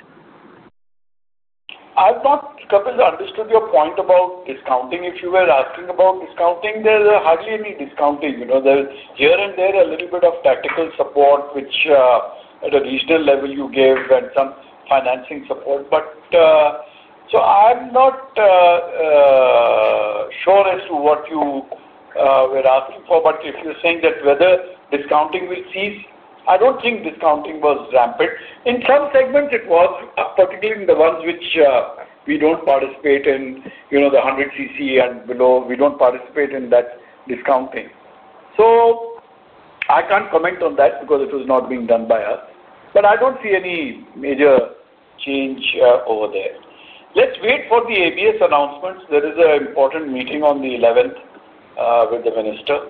C: I've not, Kapil, understood your point about discounting. If you were asking about discounting, there's hardly any discounting. There's here and there a little bit of tactical support, which at a regional level you gave and some financing support. I'm not sure as to what you were asking for, but if you're saying that whether discounting will cease, I don't think discounting was rampant. In some segments, it was, particularly in the ones which we don't participate in, the 100cc and below, we don't participate in that discounting. I can't comment on that because it was not being done by us. I don't see any major change over there. Let's wait for the ABS announcements. There is an important meeting on the 11th with the Minister,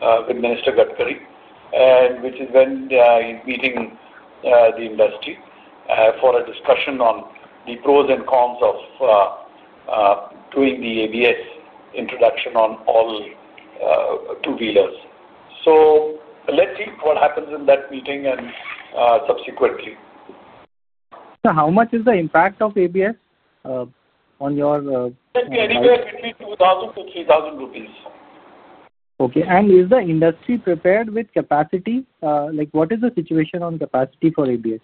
C: with Minister Gadkari, which is when he's meeting the industry for a discussion on the pros and cons of doing the ABS introduction on all two-wheelers. Let's see what happens in that meeting and subsequently.
E: How much is the impact of ABS on your?
C: It will be anywhere between 2,000-3,000 rupees.
E: Okay. Is the industry prepared with capacity? What is the situation on capacity for ABS?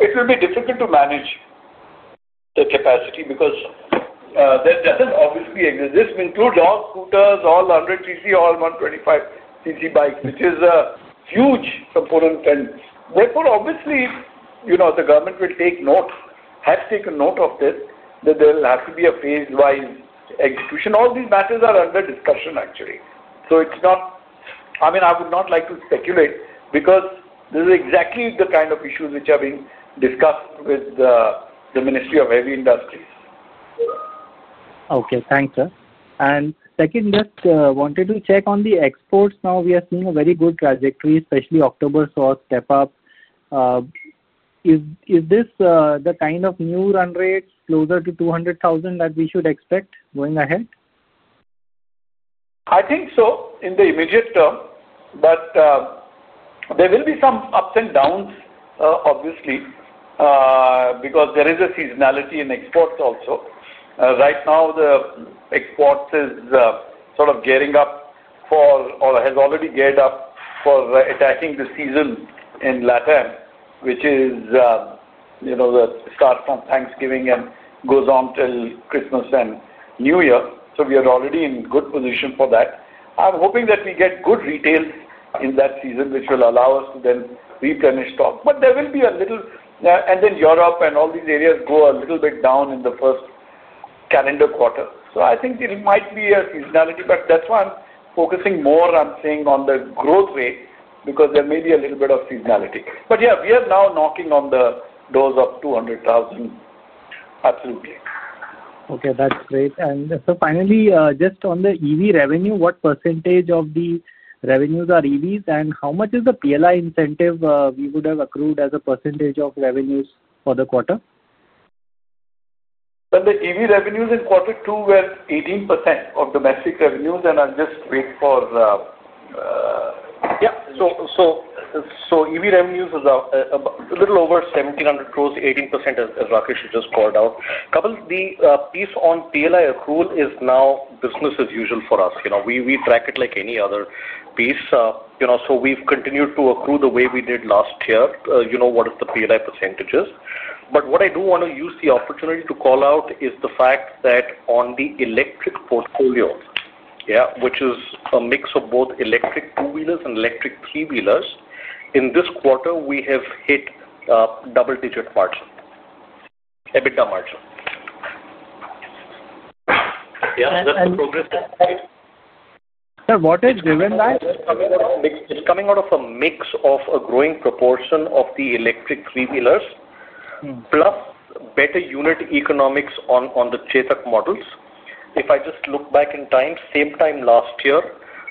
C: It will be difficult to manage the capacity because there doesn't obviously exist. This includes all scooters, all 100cc, all 125cc bikes, which is a huge component trend. Therefore, obviously, the government will take note, has taken note of this, that there will have to be a phase-wise execution. All these matters are under discussion, actually. I mean, I would not like to speculate because this is exactly the kind of issues which are being discussed with the Ministry of Heavy Industries.
E: Okay. Thanks, sir. Second, just wanted to check on the exports. Now, we are seeing a very good trajectory, especially October saw a step up. Is this the kind of new run rate closer to 200,000 that we should expect going ahead?
C: I think so in the immediate term, but there will be some ups and downs, obviously, because there is a seasonality in exports also. Right now, the exports is sort of gearing up for or has already geared up for attacking the season in LATAM, which is the start from Thanksgiving and goes on till Christmas and New Year. We are already in good position for that. I'm hoping that we get good retail in that season, which will allow us to then replenish stock. There will be a little, and then Europe and all these areas go a little bit down in the first calendar quarter. I think it might be a seasonality, but that's why I'm focusing more on seeing on the growth rate because there may be a little bit of seasonality. Yeah, we are now knocking on the doors of 200,000. Absolutely.
E: Okay. That's great. Finally, just on the EV revenue, what percentage of the revenues are EVs, and how much is the PLI incentive we would have accrued as a percentage of revenues for the quarter?
C: The EV revenues in quarter two were 18% of domestic revenues, and I'll just wait for yeah.
D: EV revenues is a little over 1,700 crore, 18%, as Rakesh has just called out. Kapil, the piece on PLI accrual is now business as usual for us. We track it like any other piece. We've continued to accrue the way we did last year, what is the PLI percentage is. What I do want to use the opportunity to call out is the fact that on the electric portfolio, yeah, which is a mix of both electric two-wheelers and electric three-wheelers, in this quarter, we have hit double-digit margin, EBITDA margin. Yeah, that's the progress, right?
E: Sir, what has driven that?
D: It's coming out of a mix of a growing proportion of the electric three-wheelers plus better unit economics on the Chetak models. If I just look back in time, same time last year,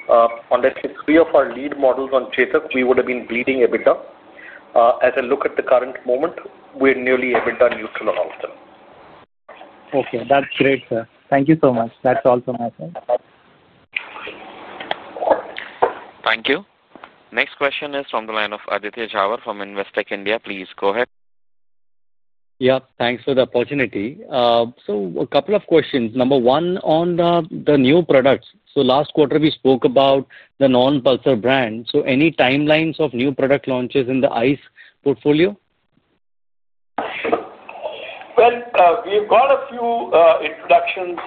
D: on let's say three of our lead models on Chetak, we would have been bleeding EBITDA. As I look at the current moment, we're nearly EBITDA neutral on all of them.
E: Okay. That's great, sir. Thank you so much. That's all from my side.
A: Thank you. Next question is from the line of Aditya Jhawar from Investec India. Please go ahead.
G: Yeah. Thanks for the opportunity. A couple of questions. Number one, on the new products. Last quarter, we spoke about the non-Pulsar brand. Any timelines of new product launches in the ICE portfolio?
C: We've got a few introductions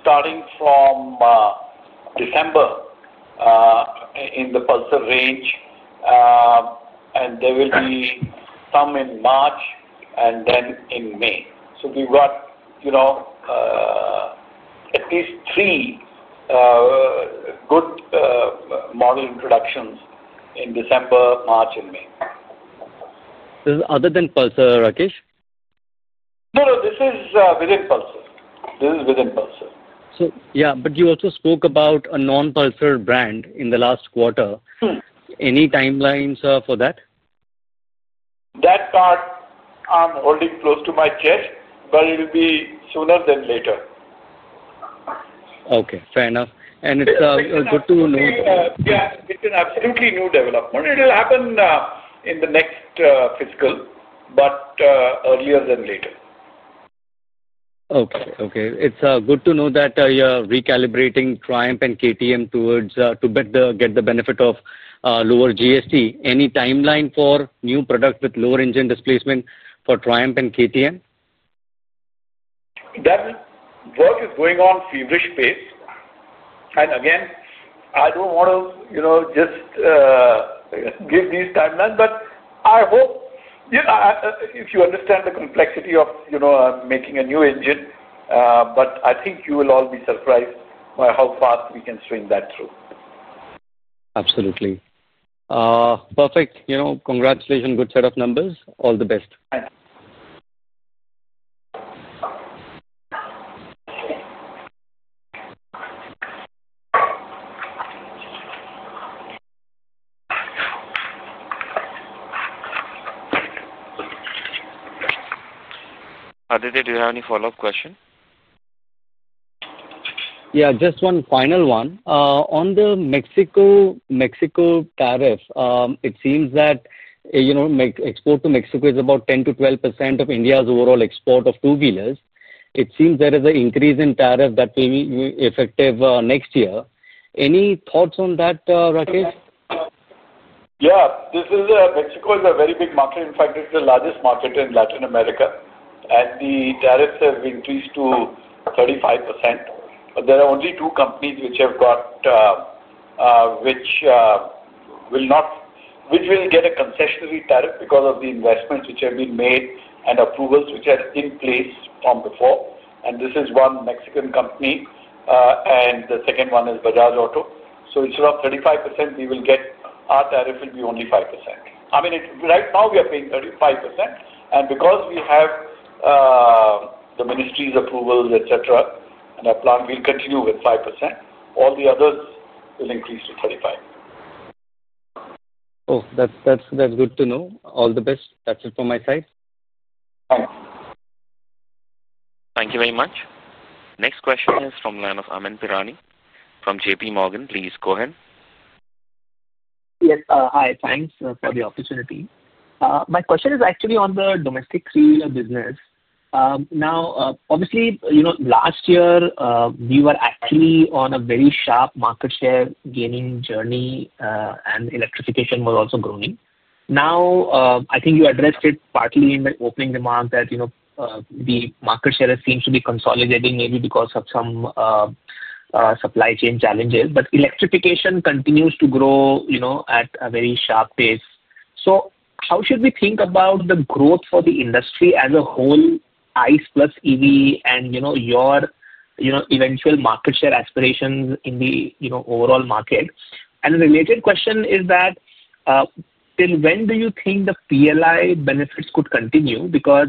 C: starting from December in the Pulsar range, and there will be some in March and then in May. So we've got at least three good model introductions in December, March, and May.
G: This is other than Pulsar, Rakesh?
C: No, no. This is within Pulsar. This is within Pulsar.
G: Yeah, but you also spoke about a non-Pulsar brand in the last quarter. Any timelines for that?
C: That part I'm holding close to my chest, but it will be sooner than later.
G: Okay. Fair enough. It's good to know.
C: Yeah. It's an absolutely new development. It will happen in the next fiscal, but earlier than later.
G: Okay. Okay. It's good to know that you're recalibrating Triumph and KTM to get the benefit of lower GST. Any timeline for new products with lower engine displacement for Triumph and KTM?
C: That work is going on at a feverish pace. Again, I do not want to just give these timelines, but I hope you understand the complexity of making a new engine. I think you will all be surprised by how fast we can swing that through.
G: Absolutely. Perfect. Congratulations. Good set of numbers. All the best.
C: Thanks.
A: Aditya, do you have any follow-up question?
G: Yeah. Just one final one. On the Mexico tariff, it seems that export to Mexico is about 10%-12% of India's overall export of two-wheelers. It seems there is an increase in tariff that will be effective next year. Any thoughts on that, Rakesh?
C: Yeah. Mexico is a very big market. In fact, it's the largest market in Latin America, and the tariffs have increased to 35%. There are only two companies which have got, which will not, which will get a concessionary tariff because of the investments which have been made and approvals which are in place from before. This is one Mexican company, and the second one is Bajaj Auto. Instead of 35%, we will get, our tariff will be only 5%. I mean, right now, we are paying 35%, and because we have the ministry's approvals, etc., our plan will continue with 5%. All the others will increase to 35%.
G: Oh, that's good to know. All the best. That's it from my side.
C: Thanks.
A: Thank you very much. Next question is from the line of Amyn Pirani from JPMorgan, please go ahead.
H: Yes. Hi. Thanks for the opportunity. My question is actually on the domestic three-wheeler business. Now, obviously, last year, we were actually on a very sharp market share gaining journey, and electrification was also growing. Now, I think you addressed it partly in the opening remark that the market share seems to be consolidating maybe because of some supply chain challenges, but electrification continues to grow at a very sharp pace. How should we think about the growth for the industry as a whole, ICE plus EV, and your eventual market share aspirations in the overall market? A related question is that, till when do you think the PLI benefits could continue? Because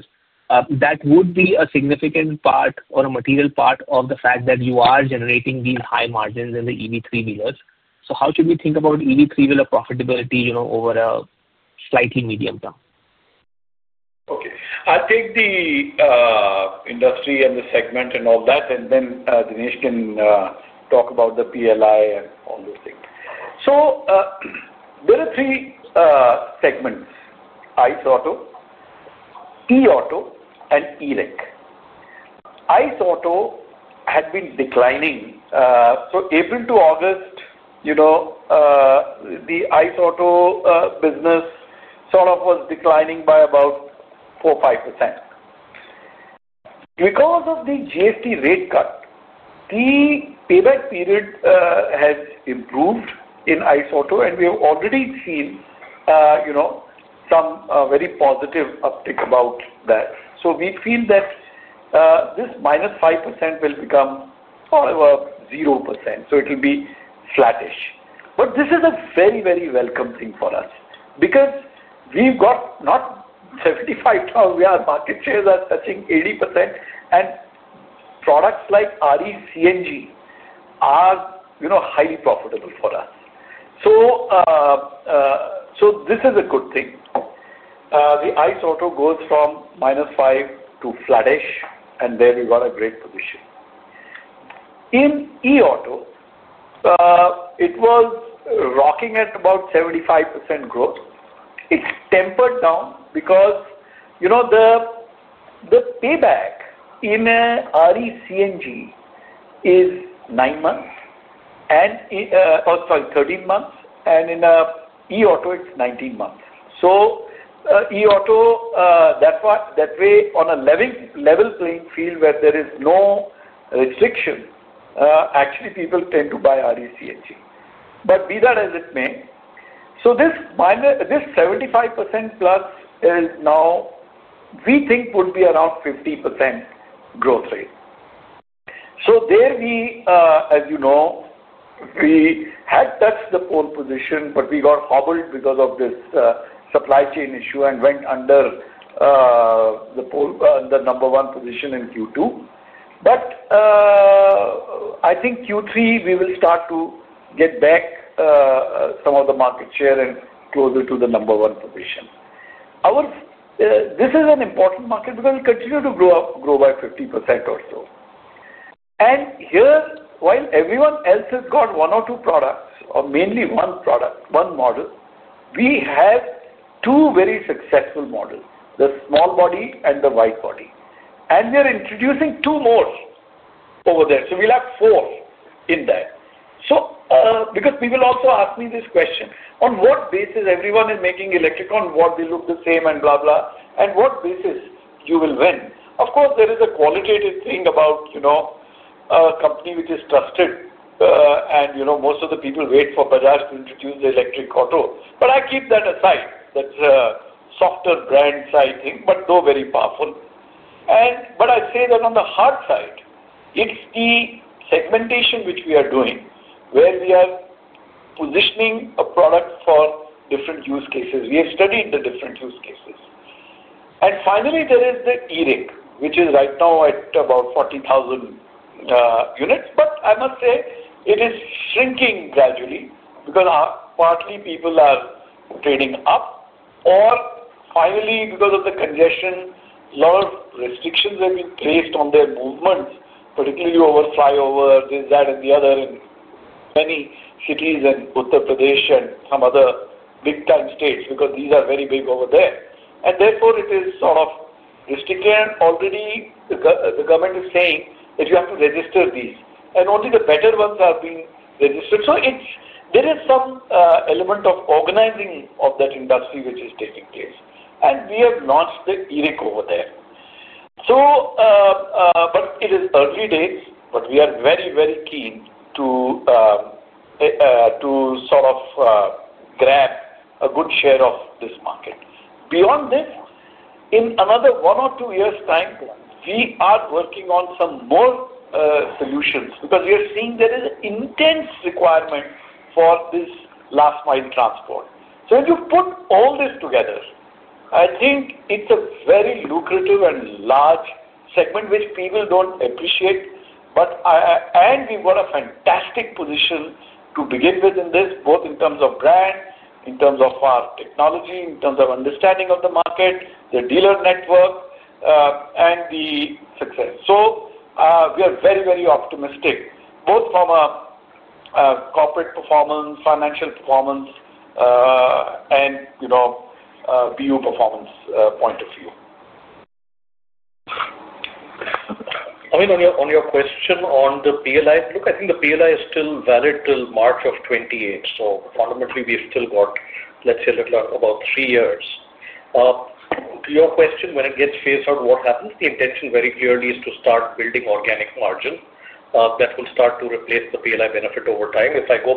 H: that would be a significant part or a material part of the fact that you are generating these high margins in the EV three-wheelers. How should we think about EV three-wheeler profitability over a slightly medium term?
C: Okay. I'll take the industry and the segment and all that, and then Dinesh can talk about the PLI and all those things. There are three segments: ICE auto, e-auto, and e-rick. ICE auto had been declining. April to August, the ICE auto business sort of was declining by about 4%-5%. Because of the GST rate cut, the payback period has improved in ICE auto, and we have already seen some very positive uptick about that. We feel that this -5% will become sort of a 0%. It will be flattish. This is a very, very welcome thing for us because we've got not 75,000. Our market shares are touching 80%, and products like RE CNG are highly profitable for us. This is a good thing. The ICE auto goes from -5% to flattish, and there we got a great position. In e-auto, it was rocking at about 75% growth. It's tempered down because the payback in RE CNG is 9 months, and sorry, 13 months, and in e-auto, it's 19 months. E-auto, that way, on a level playing field where there is no restriction, actually, people tend to buy RE CNG. Be that as it may, this 75%+ is now, we think, would be around 50% growth rate. There, as you know, we had touched the pole position, but we got hobbled because of this supply chain issue and went under the number one position in Q2. I think Q3, we will start to get back some of the market share and closer to the number one position. This is an important market because we continue to grow by 50% or so. Here, while everyone else has got one or two products or mainly one product, one model, we have two very successful models, the small body and the wide body. We are introducing two more over there. We will have four in that. People also ask me this question, on what basis everyone is making electric, on what they look the same and blah, blah, and on what basis you will win? Of course, there is a qualitative thing about a company which is trusted, and most of the people wait for Bajaj to introduce the electric auto. I keep that aside, that softer brand side thing, but no, very powerful. I say that on the hard side, it's the segmentation which we are doing where we are positioning a product for different use cases. We have studied the different use cases. Finally, there is the e-rick, which is right now at about 40,000 units. I must say it is shrinking gradually because partly people are trading up or finally, because of the congestion, a lot of restrictions have been placed on their movements, particularly over flyovers, this, that, and the other, in many cities in Uttar Pradesh and some other big-time states because these are very big over there. Therefore, it is sort of restricted. Already, the government is saying that you have to register these, and only the better ones are being registered. There is some element of organizing of that industry which is taking place. We have launched the e-rick over there. It is early days, but we are very, very keen to sort of grab a good share of this market. Beyond this, in another one or two years' time, we are working on some more solutions because we are seeing there is an intense requirement for this last-mile transport. If you put all this together, I think it's a very lucrative and large segment which people don't appreciate. We've got a fantastic position to begin with in this, both in terms of brand, in terms of our technology, in terms of understanding of the market, the dealer network, and the success. We are very, very optimistic, both from a corporate performance, financial performance, and BU performance point of view.
D: I mean, on your question on the PLI, look, I think the PLI is still valid till March of 2028. Fundamentally, we've still got, let's say, about three years. To your question, when it gets phased out, what happens? The intention very clearly is to start building organic margin that will start to replace the PLI benefit over time. If I go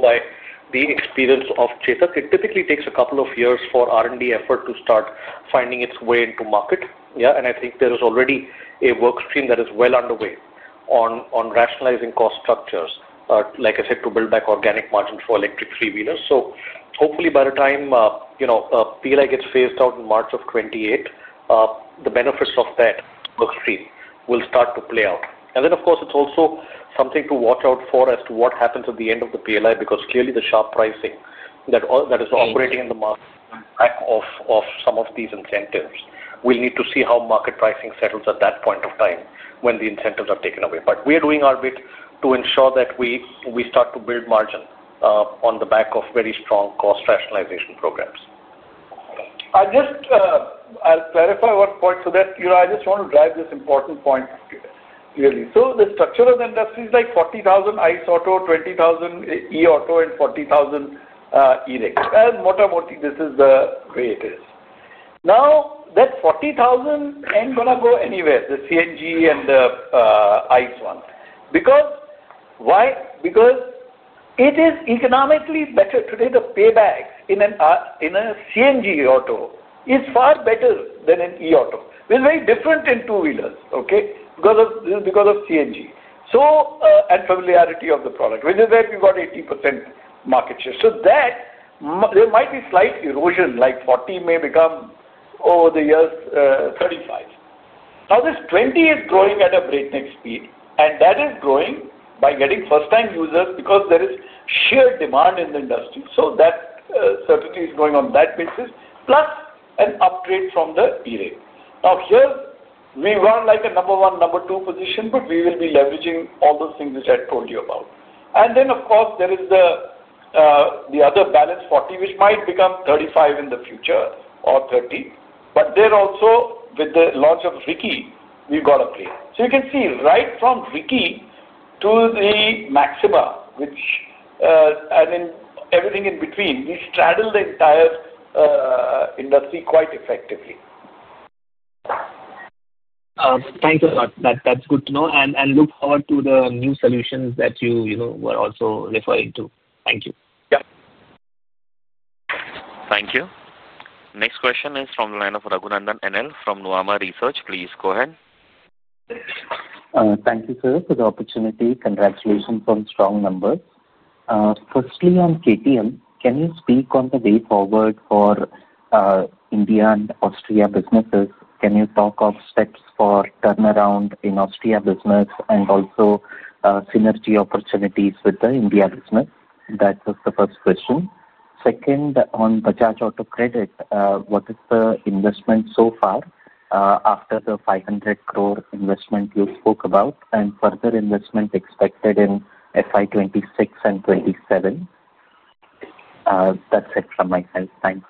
D: by the experience of Chetak, it typically takes a couple of years for R&D effort to start finding its way into market. Yeah. I think there is already a workstream that is well underway on rationalizing cost structures, like I said, to build back organic margin for electric three-wheelers. Hopefully, by the time PLI gets phased out in March of 2028, the benefits of that workstream will start to play out. Of course, it's also something to watch out for as to what happens at the end of the PLI because clearly, the sharp pricing that is operating in the market is on the back of some of these incentives. We'll need to see how market pricing settles at that point of time when the incentives are taken away. We are doing our bit to ensure that we start to build margin on the back of very strong cost rationalization programs.
C: I'll clarify one point to that. I just want to drive this important point clearly. The structure of the industry is like 40,000 ICE auto, 20,000 e-auto, and 40,000 e-rick. [Mota moti], this is the way it is. Now, that 40,000 ain't going to go anywhere, the CNG and the ICE one. Because why? Because it is economically better today. The payback in a CNG auto is far better than an e-auto. It's very different in two-wheelers, okay, because of CNG and familiarity of the product, which is that you've got 80% market share. There might be slight erosion, like 40 may become over the years 35. Now, this 20 is growing at a breakneck speed, and that is growing by getting first-time users because there is sheer demand in the industry. That certainly is growing on that basis, plus an upgrade from the e-rick. Here, we were like a number one, number two position, but we will be leveraging all those things which I told you about. Of course, there is the other balance 40, which might become 35 in the future or 30. There also, with the launch of Riki, we've got a play. You can see right from Riki to the Maxima, which, and everything in between, we straddle the entire industry quite effectively.
H: Thank you a lot. That's good to know. I look forward to the new solutions that you were also referring to. Thank you.
C: Yeah.
A: Thank you. Next question is from the line of Raghunandan NL from Nuvama Research. Please go ahead.
I: Thank you, sir, for the opportunity. Congratulations on strong numbers. Firstly, on KTM, can you speak on the way forward for India and Austria businesses? Can you talk of steps for turnaround in Austria business and also synergy opportunities with the India business? That was the first question. Second, on Bajaj Auto Credit, what is the investment so far after the 500 crore investment you spoke about and further investment expected in FY 2026 and 2027? That's it from my side. Thanks.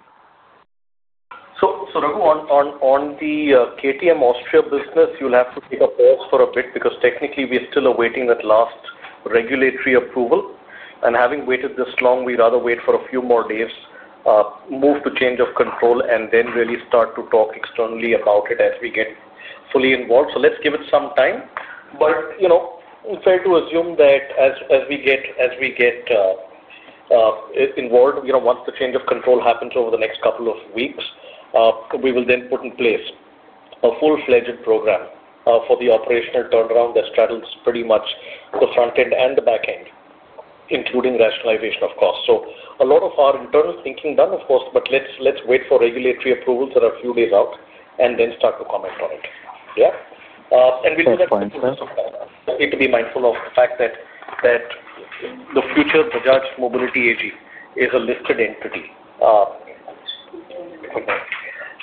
D: Raghu, on the KTM Austria business, you'll have to take a pause for a bit because technically, we are still awaiting that last regulatory approval. Having waited this long, we'd rather wait for a few more days, move to change of control, and then really start to talk externally about it as we get fully involved. Let's give it some time. Fair to assume that as we get involved, once the change of control happens over the next couple of weeks, we will then put in place a full-fledged program for the operational turnaround that straddles pretty much the front end and the back end, including rationalization, of course. A lot of our internal thinking done, of course, but let's wait for regulatory approvals that are a few days out and then start to comment on it. Yeah. We'll do that in the next couple of months. Need to be mindful of the fact that the future Bajaj Mobility AG is a listed entity.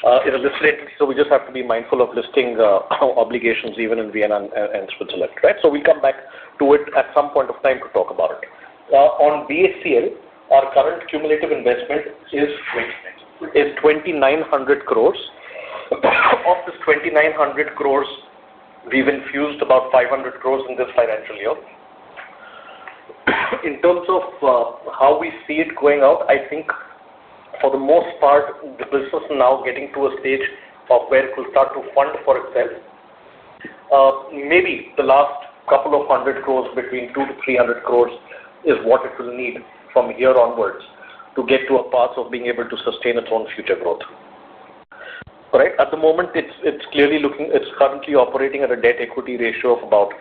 D: It's a listed entity. We just have to be mindful of listing obligations even in Vienna and Switzerland. Right? We'll come back to it at some point of time to talk about it. On BACL, our current cumulative investment is 2,900 crore. Of this 2,900 crore, we've infused about 500 crore in this financial year. In terms of how we see it going out, I think for the most part, the business is now getting to a stage of where it will start to fund for itself. Maybe the last couple of hundred crore, between 200 crore-300 crore, is what it will need from here onwards to get to a pass of being able to sustain its own future growth. All right? At the moment, it's currently operating at a debt-equity ratio of about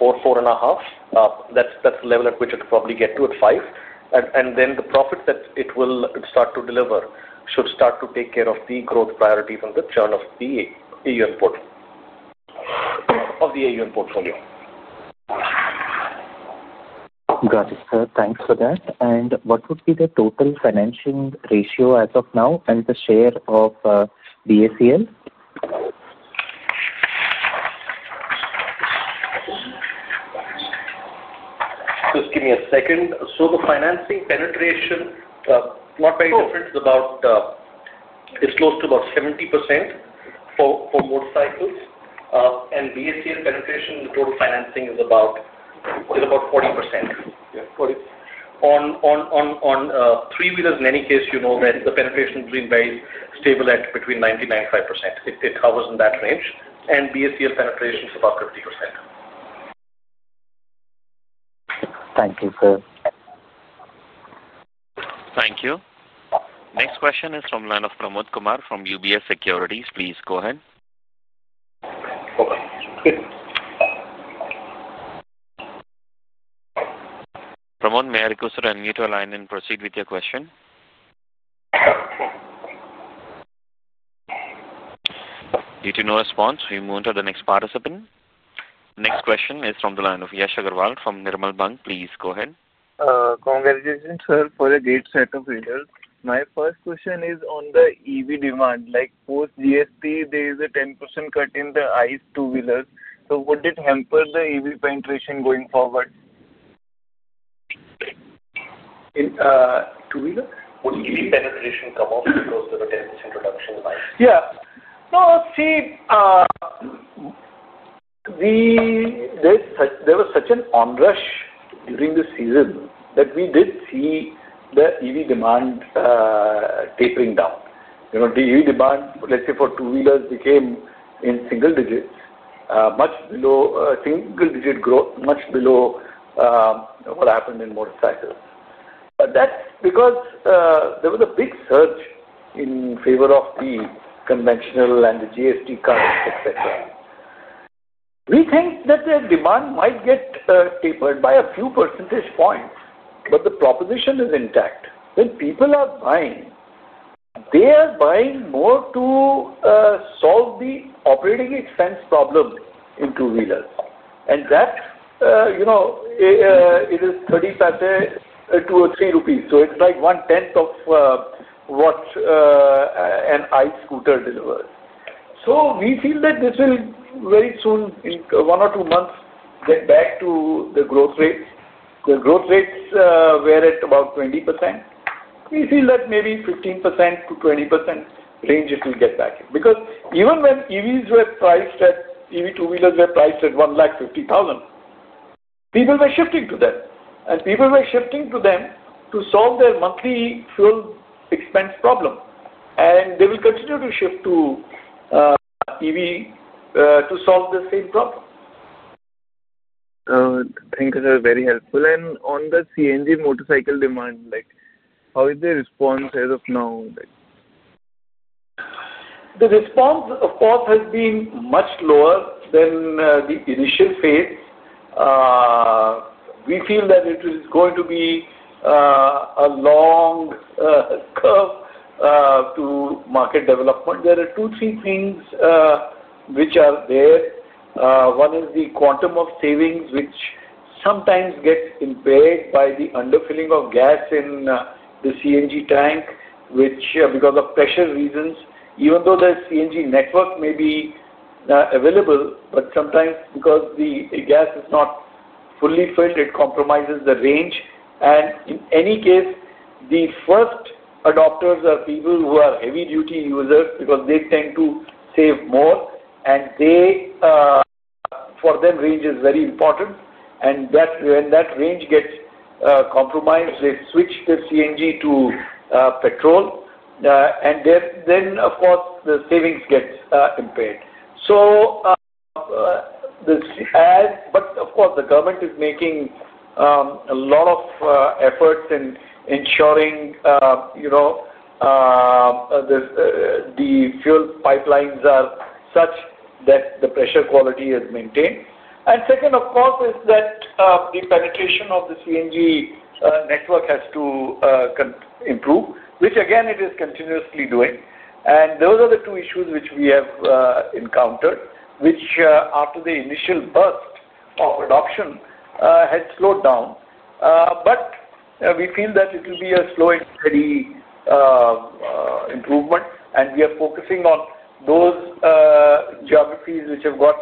D: 4-4.5. That's the level at which it'll probably get to at 5. And then the profits that it will start to deliver should start to take care of the growth priorities and the churn of the EU portfolio.
I: Got it, sir. Thanks for that. What would be the total financing ratio as of now and the share of BACL?
D: Just give me a second. The financing penetration, not very different, is close to about 70% for motorcycles. BACL penetration in the total financing is about 40%. On three-wheelers, in any case, you know that the penetration has been very stable at between 99.5%. It hovers in that range. BACL penetration is about 50%.
I: Thank you, sir.
A: Thank you. Next question is from the line of Pramod Kumar from UBS Securities. Please go ahead. Okay. Pramod, may I request to unmute your line and proceed with your question? Due to no response, we move on to the next participant. Next question is from the line of Yash Agrawal from Nirmal Bang. Please go ahead.
J: Congratulations, sir, for the great set of readers. My first question is on the EV demand. Post GST, there is a 10% cut in the ICE two-wheelers. Would it hamper the EV penetration going forward?
C: Two-wheeler?
J: Will EV penetration come off because of the 10% reduction in ICE?
C: Yeah. No, see, there was such an onrush during the season that we did see the EV demand tapering down. The EV demand, let's say, for two-wheelers became in single digits, much below single-digit growth, much below what happened in motorcycles. That is because there was a big surge in favor of the conventional and the GST cuts, etc. We think that the demand might get tapered by a few percentage points, but the proposition is intact. When people are buying, they are buying more to solve the operating expense problem in two-wheelers. That, it is 30 paise, 2 or 3 rupees. It is like 1/10 of what an ICE scooter delivers. We feel that this will very soon, in one or two months, get back to the growth rates. The growth rates were at about 20%. We feel that maybe 15%-20% range it will get back. Because even when EVs were priced at EV two-wheelers were priced at 150,000, people were shifting to them. People were shifting to them to solve their monthly fuel expense problem. They will continue to shift to EV to solve the same problem.
J: Thank you, sir. Very helpful. On the CNG motorcycle demand, how is the response as of now?
C: The response, of course, has been much lower than the initial phase. We feel that it is going to be a long curve to market development. There are two, three things which are there. One is the quantum of savings, which sometimes gets impaired by the underfilling of gas in the CNG tank, which, because of pressure reasons, even though the CNG network may be available, but sometimes because the gas is not fully filled, it compromises the range. In any case, the first adopters are people who are heavy-duty users because they tend to save more. For them, range is very important. When that range gets compromised, they switch the CNG to petrol. Then, of course, the savings get impaired. Of course, the government is making a lot of efforts in ensuring the fuel pipelines are such that the pressure quality is maintained. Second, of course, is that the penetration of the CNG network has to improve, which, again, it is continuously doing. Those are the two issues which we have encountered, which, after the initial burst of adoption, had slowed down. We feel that it will be a slow and steady improvement. We are focusing on those geographies which have got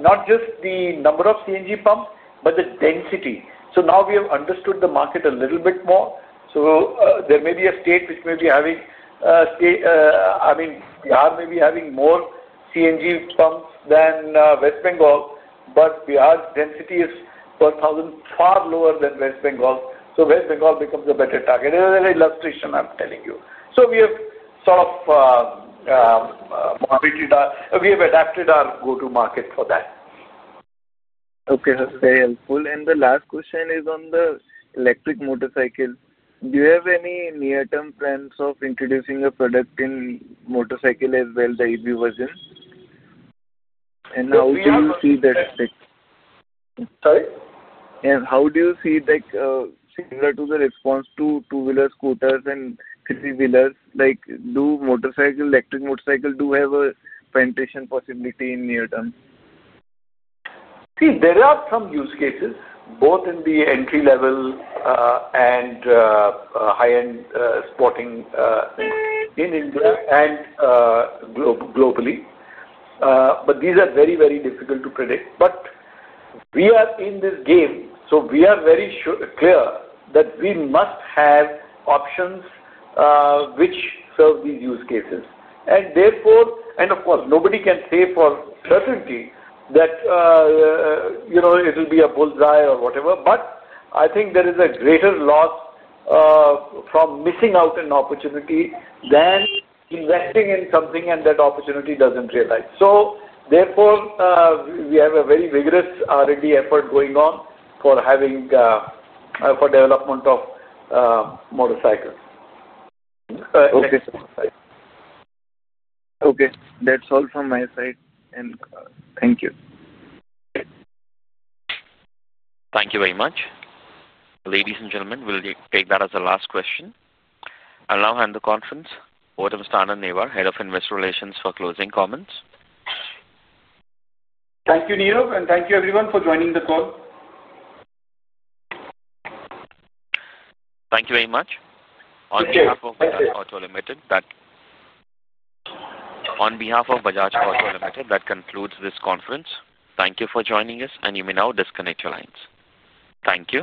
C: not just the number of CNG pumps, but the density. Now we have understood the market a little bit more. There may be a state which may be having, I mean, Bihar may be having more CNG pumps than West Bengal, but Bihar's density is per thousand far lower than West Bengal. West Bengal becomes a better target. Another illustration I'm telling you. We have sort of adapted our go-to market for that.
J: Okay. Very helpful. The last question is on the electric motorcycles. Do you have any near-term plans of introducing a product in motorcycle as well, the EV version? How do you see that?
C: Sorry?
J: How do you see that similar to the response to two-wheeler scooters and three-wheelers? Do electric motorcycles do have a penetration possibility in near-term?
C: See, there are some use cases, both in the entry-level and high-end sporting in India and globally. These are very, very difficult to predict. We are in this game. We are very clear that we must have options which serve these use cases. Of course, nobody can say for certainty that it will be a bull's-eye or whatever. I think there is a greater loss from missing out an opportunity than investing in something and that opportunity does not realize. Therefore, we have a very vigorous R&D effort going on for development of motorcycles.
J: Okay. Okay. That's all from my side. Thank you
A: Thank you very much. Ladies and gentlemen, we'll take that as the last question. Now, hand the conference over to Mr. Anand Newar, Head of Investor Relations, for closing comments.
B: Thank you, Anand. And thank you, everyone, for joining the call.
A: Thank you very much. On behalf of Bajaj Auto Ltd, that concludes this conference. Thank you for joining us. You may now disconnect your lines. Thank you.